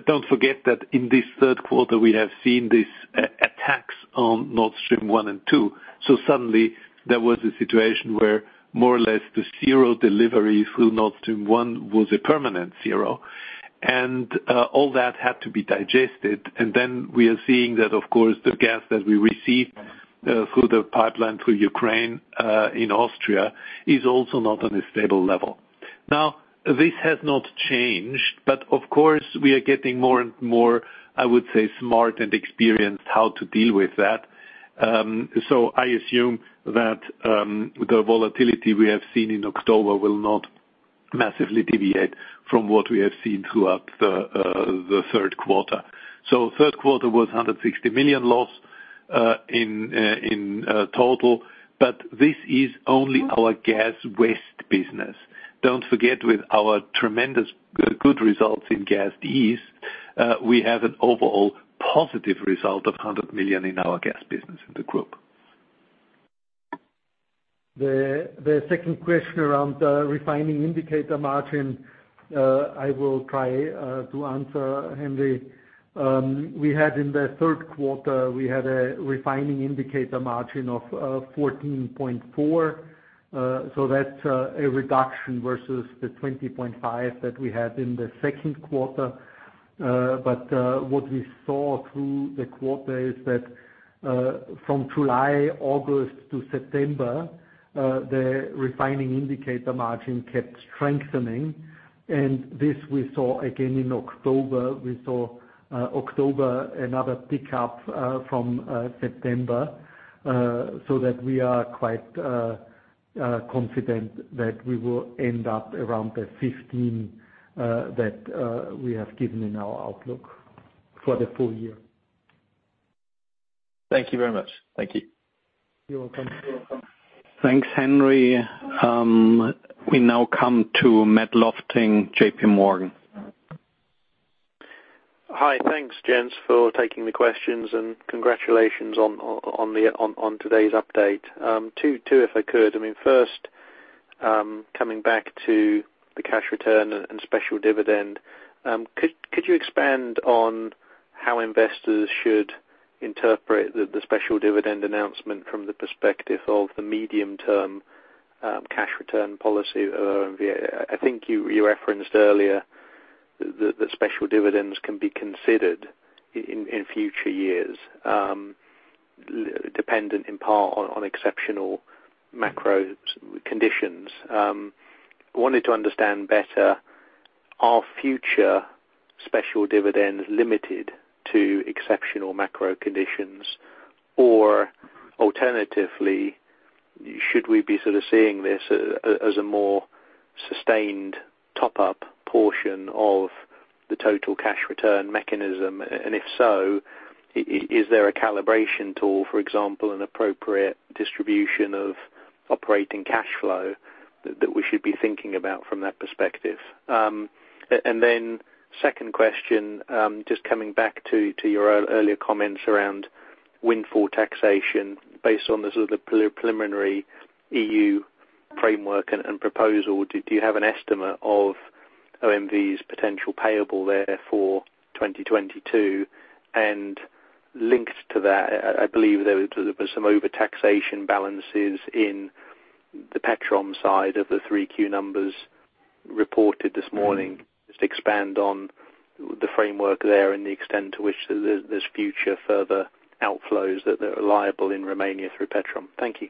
Don't forget that in this 3rd quarter we have seen these attacks on Nord Stream 1 and Nord Stream 2. Suddenly there was a situation where more or less the zero delivery through Nord Stream 1 was a permanent zero. All that had to be digested. Then we are seeing that of course, the gas that we receive through the pipeline through Ukraine in Austria is also not on a stable level. Now, this has not changed, but of course we are getting more and more, I would say, smart and experienced how to deal with that. I assume that the volatility we have seen in October will not massively deviate from what we have seen throughout the 3rd quarter. Third quarter was 160 million loss in total, but this is only our gas west business. Don't forget, with our tremendous good results in gas east, we have an overall positive result of 100 million in our gas business in the group. The second question around refining indicator margin, I will try to answer, Henry. We had in the 3rd quarter a refining indicator margin of 14.4%. So that's a reduction versus the 20.5% that we had in the 2nd quarter. What we saw through the quarter is that from July, August to September the refining indicator margin kept strengthening. This we saw again in October. We saw October another pickup from September, so that we are quite confident that we will end up around the 15% that we have given in our outlook for the full year. Thank you very much. Thank you. You're welcome. Thanks, Henry. We now come to Matthew Lofting, J.P. Morgan. Hi. Thanks, gents, for taking the questions and congratulations on today's update. Two if I could. I mean, first, coming back to the cash return and special dividend, could you expand on how investors should interpret the special dividend announcement from the perspective of the medium-term cash return policy of OMV? I think you referenced earlier that special dividends can be considered in future years, dependent in part on exceptional macro conditions. Wanted to understand better are future special dividends limited to exceptional macro conditions, or alternatively, should we be sort of seeing this as a more sustained top-up portion of the total cash return mechanism? If so, is there a calibration tool, for example, an appropriate distribution of operating cash flow that we should be thinking about from that perspective? Then, second question, just coming back to your earlier comments around windfall taxation. Based on the sort of preliminary EU framework and proposal, do you have an estimate of OMV's potential payable there for 2022? Linked to that, I believe there was some overtaxation balances in the Petrom side of the 3Q numbers reported this morning. Just expand on the framework there and the extent to which there's future further outflows that are liable in Romania through Petrom. Thank you.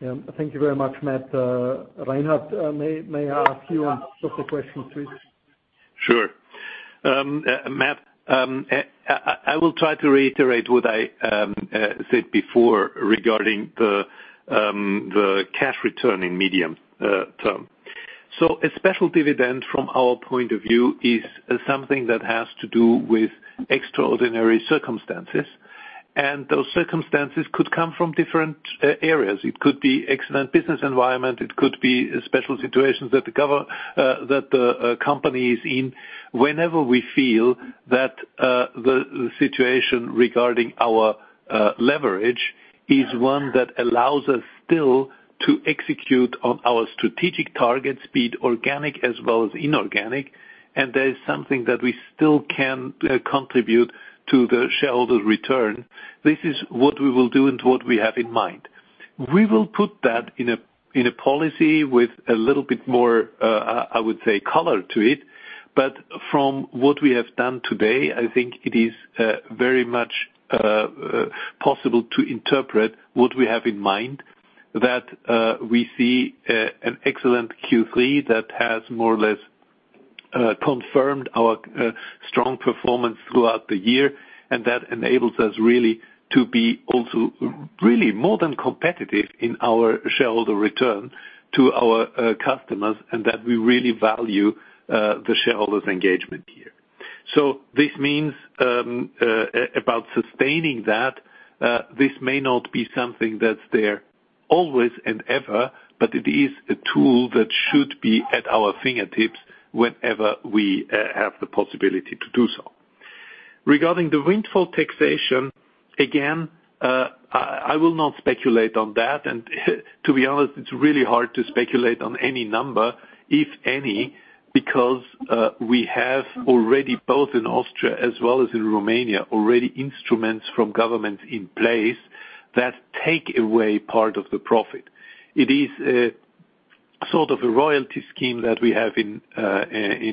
Yeah. Thank you very much, Matt. Reinhard, may I ask you a couple questions, please? Sure. Matt, I will try to reiterate what I said before regarding the cash return in medium term. A special dividend from our point of view is something that has to do with extraordinary circumstances, and those circumstances could come from different areas. It could be excellent business environment, it could be a special situation that the company is in. Whenever we feel that the situation regarding our leverage is one that allows us still to execute on our strategic targets, be it organic as well as inorganic. There is something that we still can contribute to the shareholder return. This is what we will do and what we have in mind. We will put that in a policy with a little bit more, I would say, color to it, but from what we have done today, I think it is very much possible to interpret what we have in mind, that we see an excellent Q3 that has more or less confirmed our strong performance throughout the year. That enables us really to be also really more than competitive in our shareholder return to our customers, and that we really value the shareholders' engagement here. This means about sustaining that this may not be something that's there always and ever, but it is a tool that should be at our fingertips whenever we have the possibility to do so. Regarding the windfall taxation, again, I will not speculate on that. To be honest, it's really hard to speculate on any number, if any, because we have already, both in Austria as well as in Romania, already instruments from government in place that take away part of the profit. It is a sort of a royalty scheme that we have in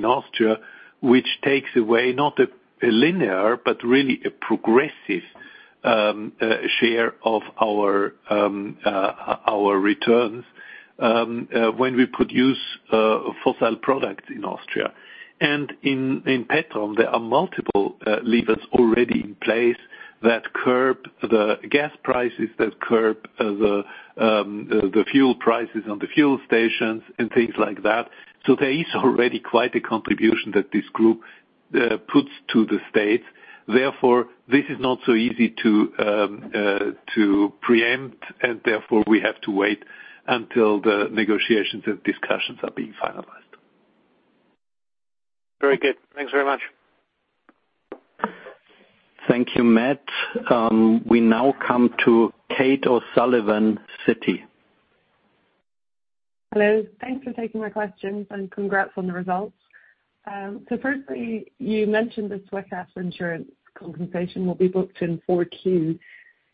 Austria, which takes away not a linear, but really a progressive share of our returns when we produce fossil products in Austria. In Petrom, there are multiple levers already in place that curb the gas prices, that curb the fuel prices on the fuel stations and things like that. There is already quite a contribution that this group puts to the state. Therefore, this is not so easy to preempt, and therefore we have to wait until the negotiations and discussions are being finalized. Very good. Thanks very much. Thank you, Matt. We now come to Kate O'Sullivan, Citi. Hello. Thanks for taking my questions, and congrats on the results. So firstly, you mentioned the Schwechat insurance compensation will be booked in Q4.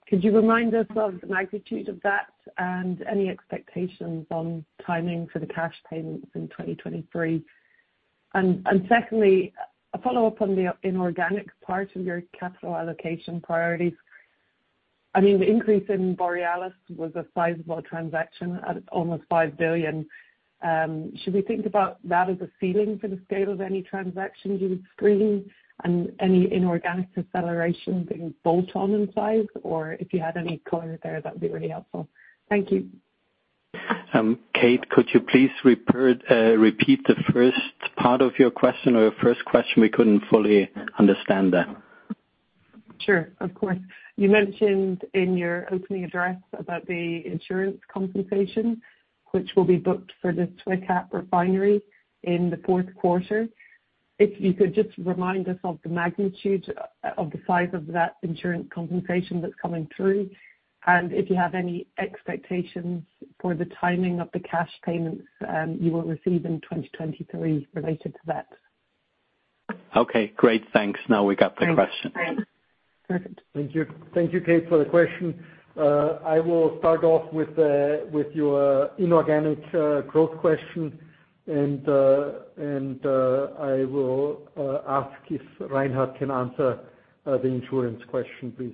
Could you remind us of the magnitude of that and any expectations on timing for the cash payments in 2023? Secondly, a follow-up on the inorganic part of your capital allocation priorities. I mean, the increase in Borealis was a sizable transaction at almost 5 billion. Should we think about that as a ceiling for the scale of any transactions you would screen and any inorganic acceleration being bolt-on in size? Or if you had any color there, that'd be really helpful. Thank you. Kate, could you please repeat the first part of your question or your first question? We couldn't fully understand that. Sure. Of course. You mentioned in your opening address about the insurance compensation, which will be booked for the Schwechat refinery in the 4th quarter. If you could just remind us of the magnitude of the size of that insurance compensation that's coming through, and if you have any expectations for the timing of the cash payments you will receive in 2023 related to that. Okay, great. Thanks. Now we got the question. Thanks. Thank you. Thank you, Kate, for the question. I will start off with your inorganic growth question, and I will ask if Reinhard can answer the insurance question, please.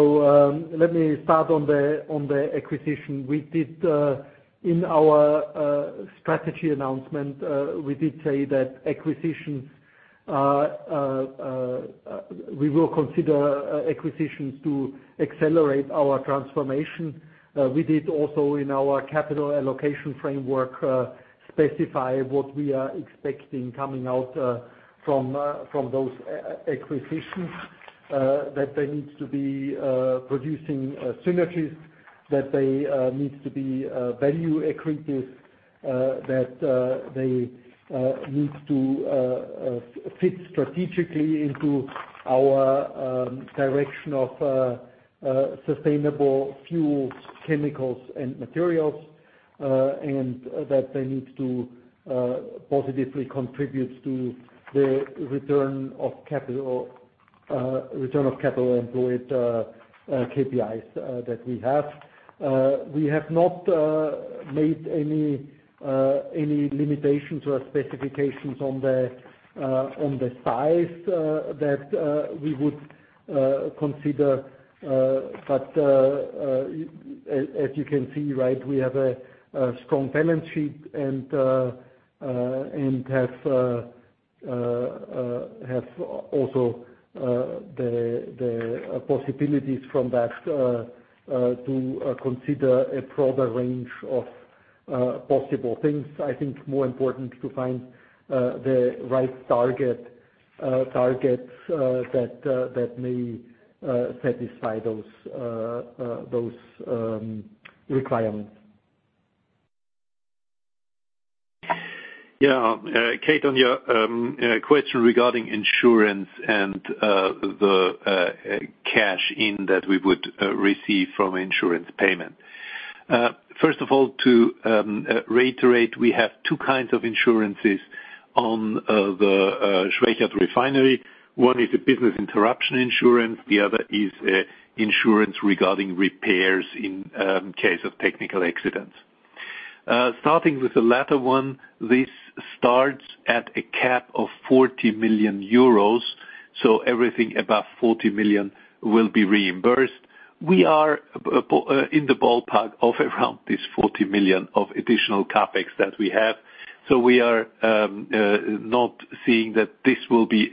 Let me start on the acquisition. We did in our strategy announcement, we did say that we will consider acquisitions to accelerate our transformation. We did also in our capital allocation framework specify what we are expecting coming out from those acquisitions that they need to be producing synergies, that they need to be value accretive, that they need to fit strategically into our direction of sustainable fuels, chemicals, and materials, and that they need to positively contribute to the return of capital employed KPIs that we have. We have not made any limitations or specifications on the size that we would consider. As you can see, right, we have a strong balance sheet and have also the possibilities from that to consider a broader range of possible things. I think more important to find the right targets that may satisfy those requirements. Yeah, Kate, on your question regarding insurance and the cash in that we would receive from insurance payment. First of all, to reiterate, we have two kinds of insurances on the Schwechat refinery. One is a business interruption insurance, the other is a insurance regarding repairs in case of technical accidents. Starting with the latter one, this starts at a cap of 40 million euros, so everything above 40 million will be reimbursed. We are in the ballpark of around this 40 million of additional CapEx that we have. We are not seeing that this will be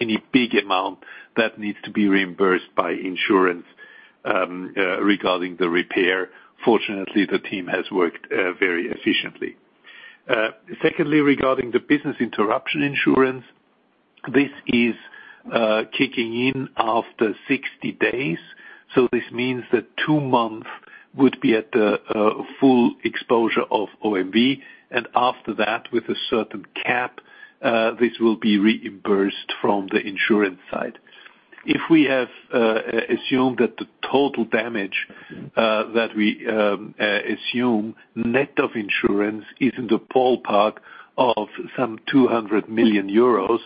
any big amount that needs to be reimbursed by insurance regarding the repair. Fortunately, the team has worked very efficiently. Secondly, regarding the business interruption insurance, this is kicking in after 60 days. This means that two months would be at full exposure of OMV, and after that, with a certain cap, this will be reimbursed from the insurance side. If we have assumed that the total damage that we assume net of insurance is in the ballpark of some 200 million euros,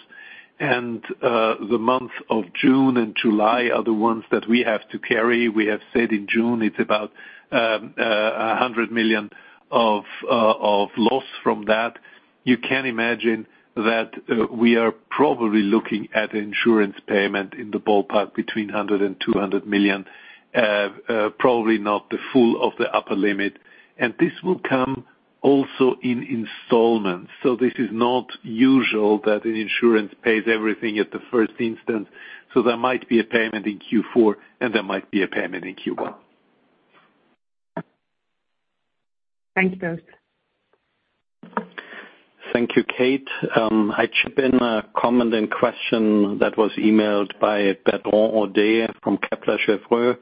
and the months of June and July are the ones that we have to carry. We have said in June, it's about 100 million of loss from that. You can imagine that we are probably looking at insurance payment in the ballpark between 100 million and 200 million. Probably not the full of the upper limit, and this will come also in installments. This is not usual that the insurance pays everything at the first instance. There might be a payment in Q4, and there might be a payment in Q1. Thank you both. Thank you, Kate. I chip in a comment and question that was emailed by Bertrand Hodée from Kepler Cheuvreux.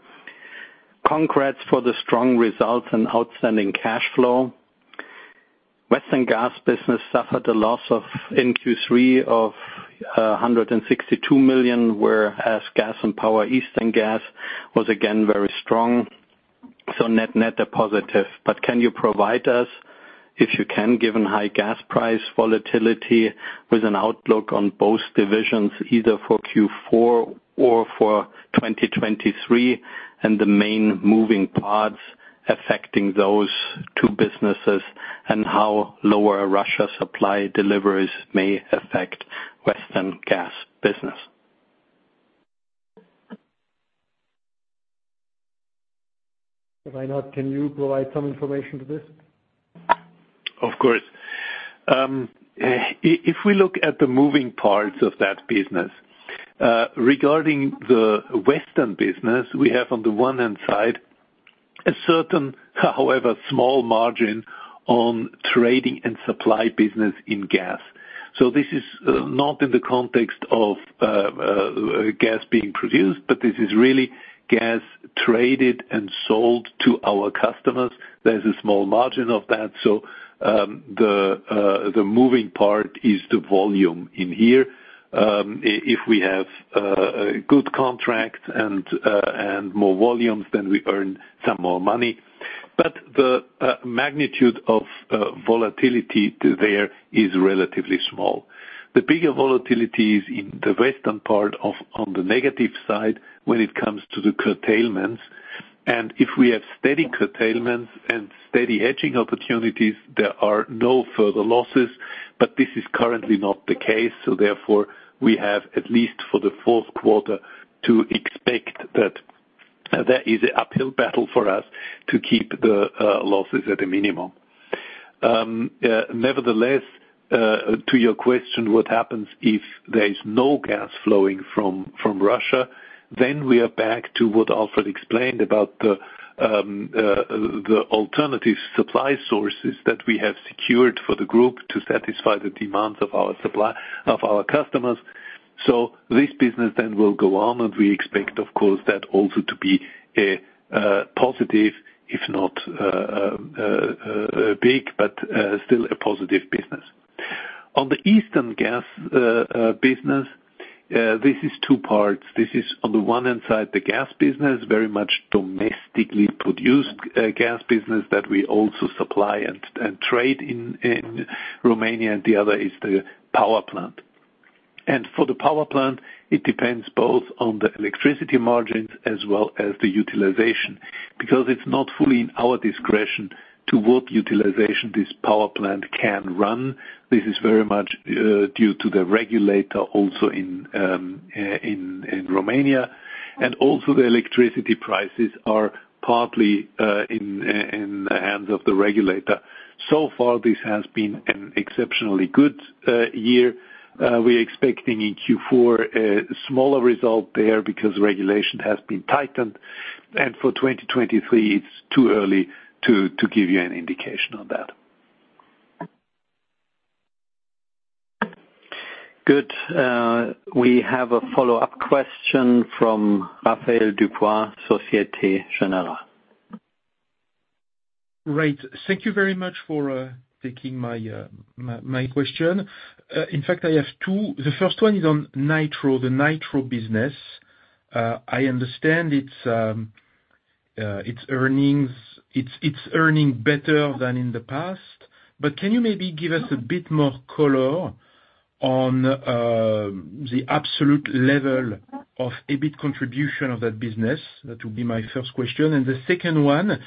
Congrats for the strong results and outstanding cash flow. Western gas business suffered a loss of 162 million in Q3, whereas gas and power Eastern gas was again very strong, so net a positive. Can you provide us, if you can, given high gas price volatility with an outlook on both divisions, either for Q4 or for 2023, and the main moving parts affecting those two businesses, and how lower Russia supply deliveries may affect Western gas business? Reinhard, can you provide some information to this? Of course. If we look at the moving parts of that business, regarding the Western business, we have on the one hand side a certain, however small margin on trading and supply business in gas. This is not in the context of gas being produced, but this is really gas traded and sold to our customers. There's a small margin of that, so the moving part is the volume in here. If we have a good contract and more volumes, then we earn some more money. The magnitude of volatility there is relatively small. The bigger volatility is in the Western part, on the negative side when it comes to the curtailments. If we have steady curtailments and steady hedging opportunities, there are no further losses, but this is currently not the case, so therefore, we have, at least for the 4th quarter, to expect that there is an uphill battle for us to keep the losses at a minimum. Nevertheless, to your question, what happens if there is no gas flowing from Russia, then we are back to what Alfred explained about the alternative supply sources that we have secured for the group to satisfy the demands of our supply of our customers. This business then will go on, and we expect, of course, that also to be a positive, if not big, but still a positive business. On the Eastern gas business, this is two parts. This is on the one hand side, the gas business, very much domestically produced gas business that we also supply and trade in Romania, and the other is the power plant. For the power plant, it depends both on the electricity margins as well as the utilization, because it's not fully in our discretion to what utilization this power plant can run. This is very much due to the regulator also in Romania. Also the electricity prices are partly in the hands of the regulator. So far, this has been an exceptionally good year. We're expecting in Q4 a smaller result there because regulation has been tightened. For 2023, it's too early to give you an indication on that. Good. We have a follow-up question from Raphaël Dubois, Société Générale. Right. Thank you very much for taking my question. In fact, I have two. The first one is on Nitro, the Nitro business. I understand it's earning better than in the past. Can you maybe give us a bit more color on the absolute level of EBIT contribution of that business? That will be my first question. The second one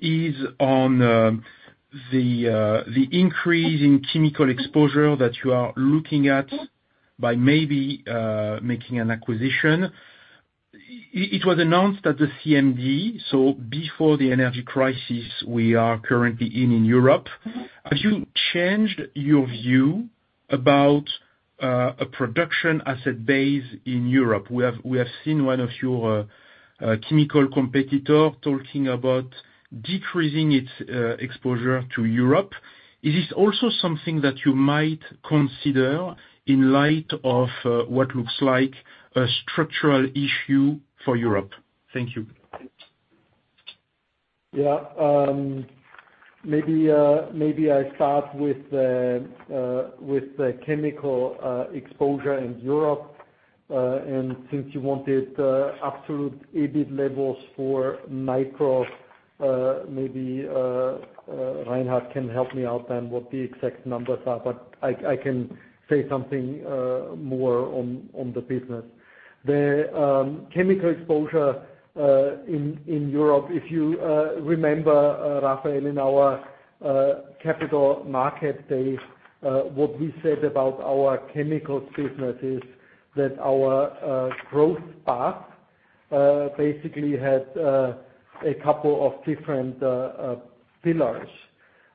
is on the increase in chemical exposure that you are looking at by maybe making an acquisition. It was announced at the CMD, so before the energy crisis we are currently in Europe. Have you changed your view about a production asset base in Europe? We have seen one of your chemical competitor talking about decreasing its exposure to Europe. Is this also something that you might consider in light of what looks like a structural issue for Europe? Thank you. Yeah. Maybe I start with the chemical exposure in Europe. Since you wanted absolute EBIT levels for Nitro, maybe Reinhard can help me out then what the exact numbers are, but I can say something more on the business. The chemical exposure in Europe, if you remember, Raphaël, in our Capital Markets Day, what we said about our chemical business is that our growth path basically had a couple of different pillars.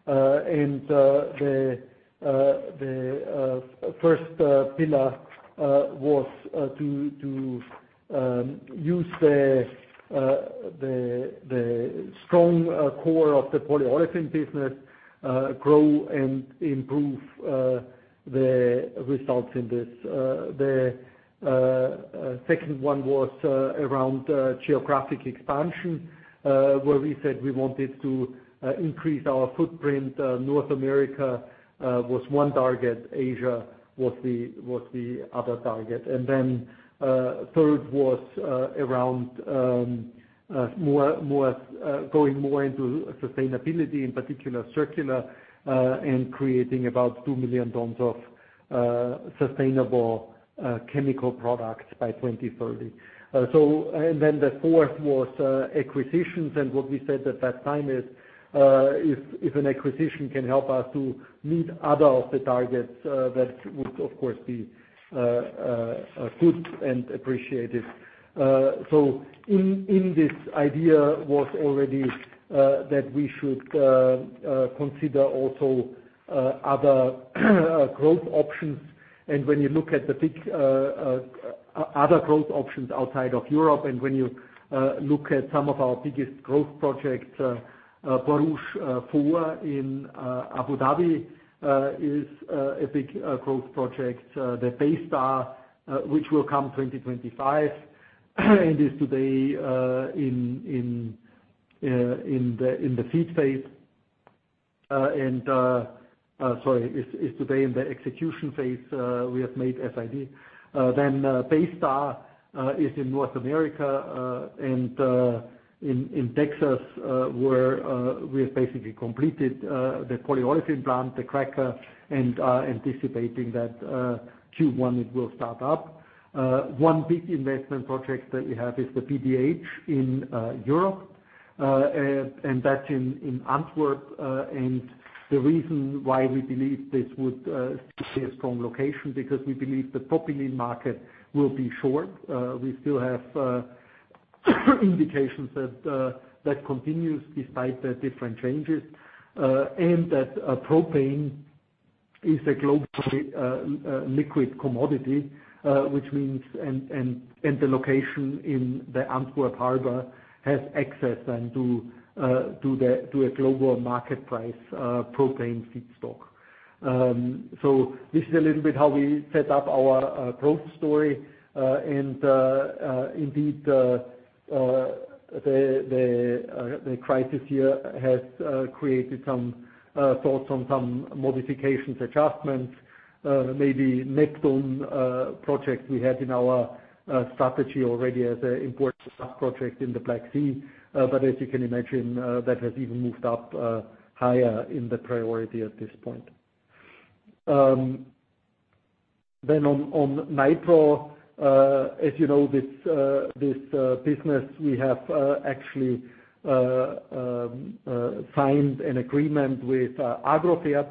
The first pillar was to use the strong core of the polyolefin business, grow and improve the results in this. The second one was around geographic expansion, where we said we wanted to increase our footprint. North America was one target, Asia was the other target. Third was around more going into sustainability, in particular circular, and creating about two million tons of sustainable chemical products by 2030. The fourth was acquisitions. What we said at that time is, if an acquisition can help us to meet other of the targets, that would, of course, be good and appreciated. In this idea was already that we should consider also other growth options. When you look at the big other growth options outside of Europe, when you look at some of our biggest growth projects, Borouge 4 in Abu Dhabi is a big growth project. The Baystar, which will come 2025, and, sorry, is today in the execution phase. We have made FID. Baystar is in North America, and in Texas, where we have basically completed the polyolefin plant, the cracker, and are anticipating that Q1 it will start up. One big investment project that we have is the PDH in Europe, and that's in Antwerp. The reason why we believe this would be a strong location, because we believe the propylene market will be short. We still have indications that continues despite the different changes. Propane is a globally liquid commodity, which means the location in the Antwerp Harbor has access then to a global market price propane feedstock. This is a little bit how we set up our growth story. Indeed, the crisis here has created some thoughts on some modifications, adjustments. Maybe Neptun Deep project we had in our strategy already as an important sub-project in the Black Sea. As you can imagine, that has even moved up higher in the priority at this point. On Nitro, as you know, this business, we have actually signed an agreement with AGROFERT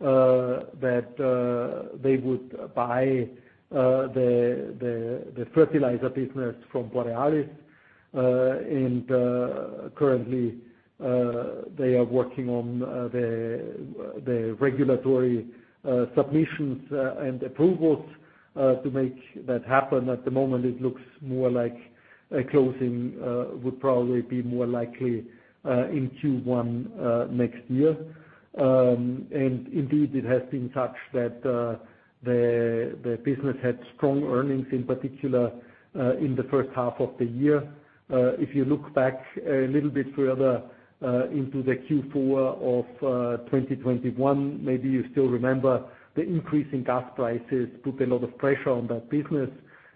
that they would buy the fertilizer business from Borealis. Currently, they are working on the regulatory submissions and approvals to make that happen. At the moment, it looks more like a closing would probably be more likely in Q1 next year. Indeed, it has been such that the business had strong earnings, in particular, in the 1st half of the year. If you look back a little bit further into the Q4 of 2021, maybe you still remember the increase in gas prices put a lot of pressure on that business.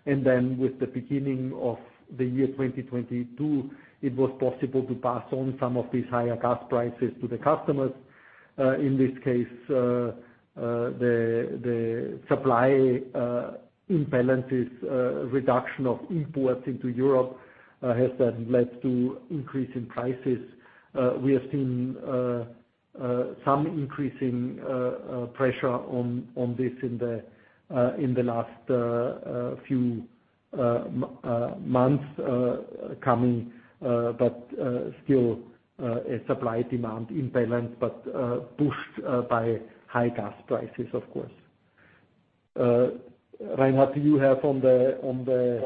With the beginning of the year 2022, it was possible to pass on some of these higher gas prices to the customers. In this case, the supply imbalances reduction of imports into Europe has then led to increase in prices. We have seen some increase in pressure on this in the last few months coming, but still a supply-demand imbalance, but pushed by high gas prices, of course. Reinhard, do you have on the.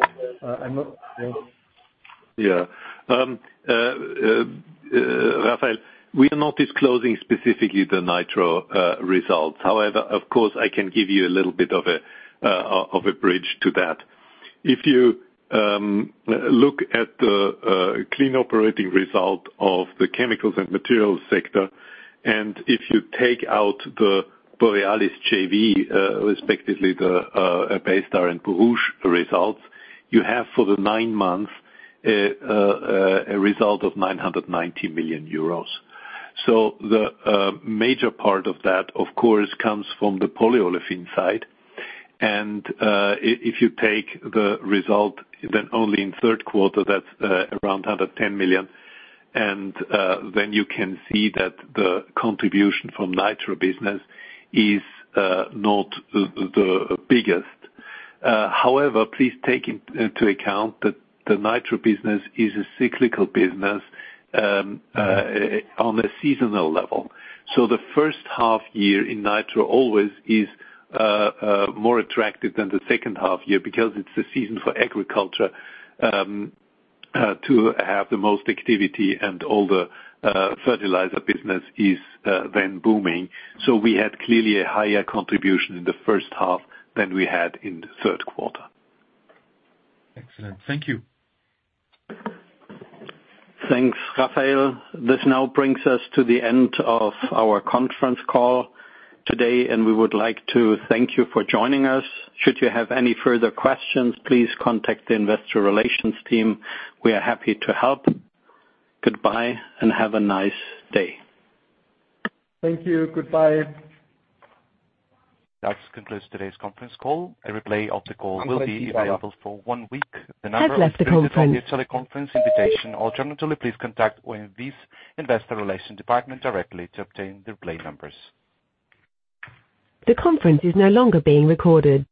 Raphaël, we are not disclosing specifically the Nitro results. However, of course, I can give you a little bit of a bridge to that. If you look at the clean operating result of the chemicals and materials sector, and if you take out the Borealis JV, respectively, the Baystar and Borouge results, you have for the nine months a result of 990 million euros. The major part of that, of course, comes from the polyolefin side. If you take the result then only in 3rd quarter, that's around 110 million. You can see that the contribution from Nitro business is not the biggest. However, please take into account that the Nitro business is a cyclical business on a seasonal level. The 1st half year in Nitro always is more attractive than the 2nd half year because it's the season for agriculture to have the most activity and all the fertilizer business is then booming. We had clearly a higher contribution in the 1st half than we had in the 3rd quarter. Excellent. Thank you. Thanks, Raphaël. This now brings us to the end of our conference call today, and we would like to thank you for joining us. Should you have any further questions, please contact the investor relations team. We are happy to help. Goodbye and have a nice day. Thank you. Goodbye. That concludes today's conference call. A replay of the call will be available for one week. You have left the conference. From your teleconference invitation. Alternatively, please contact OMV's Investor Relations department directly to obtain the replay numbers. The conference is no longer being recorded.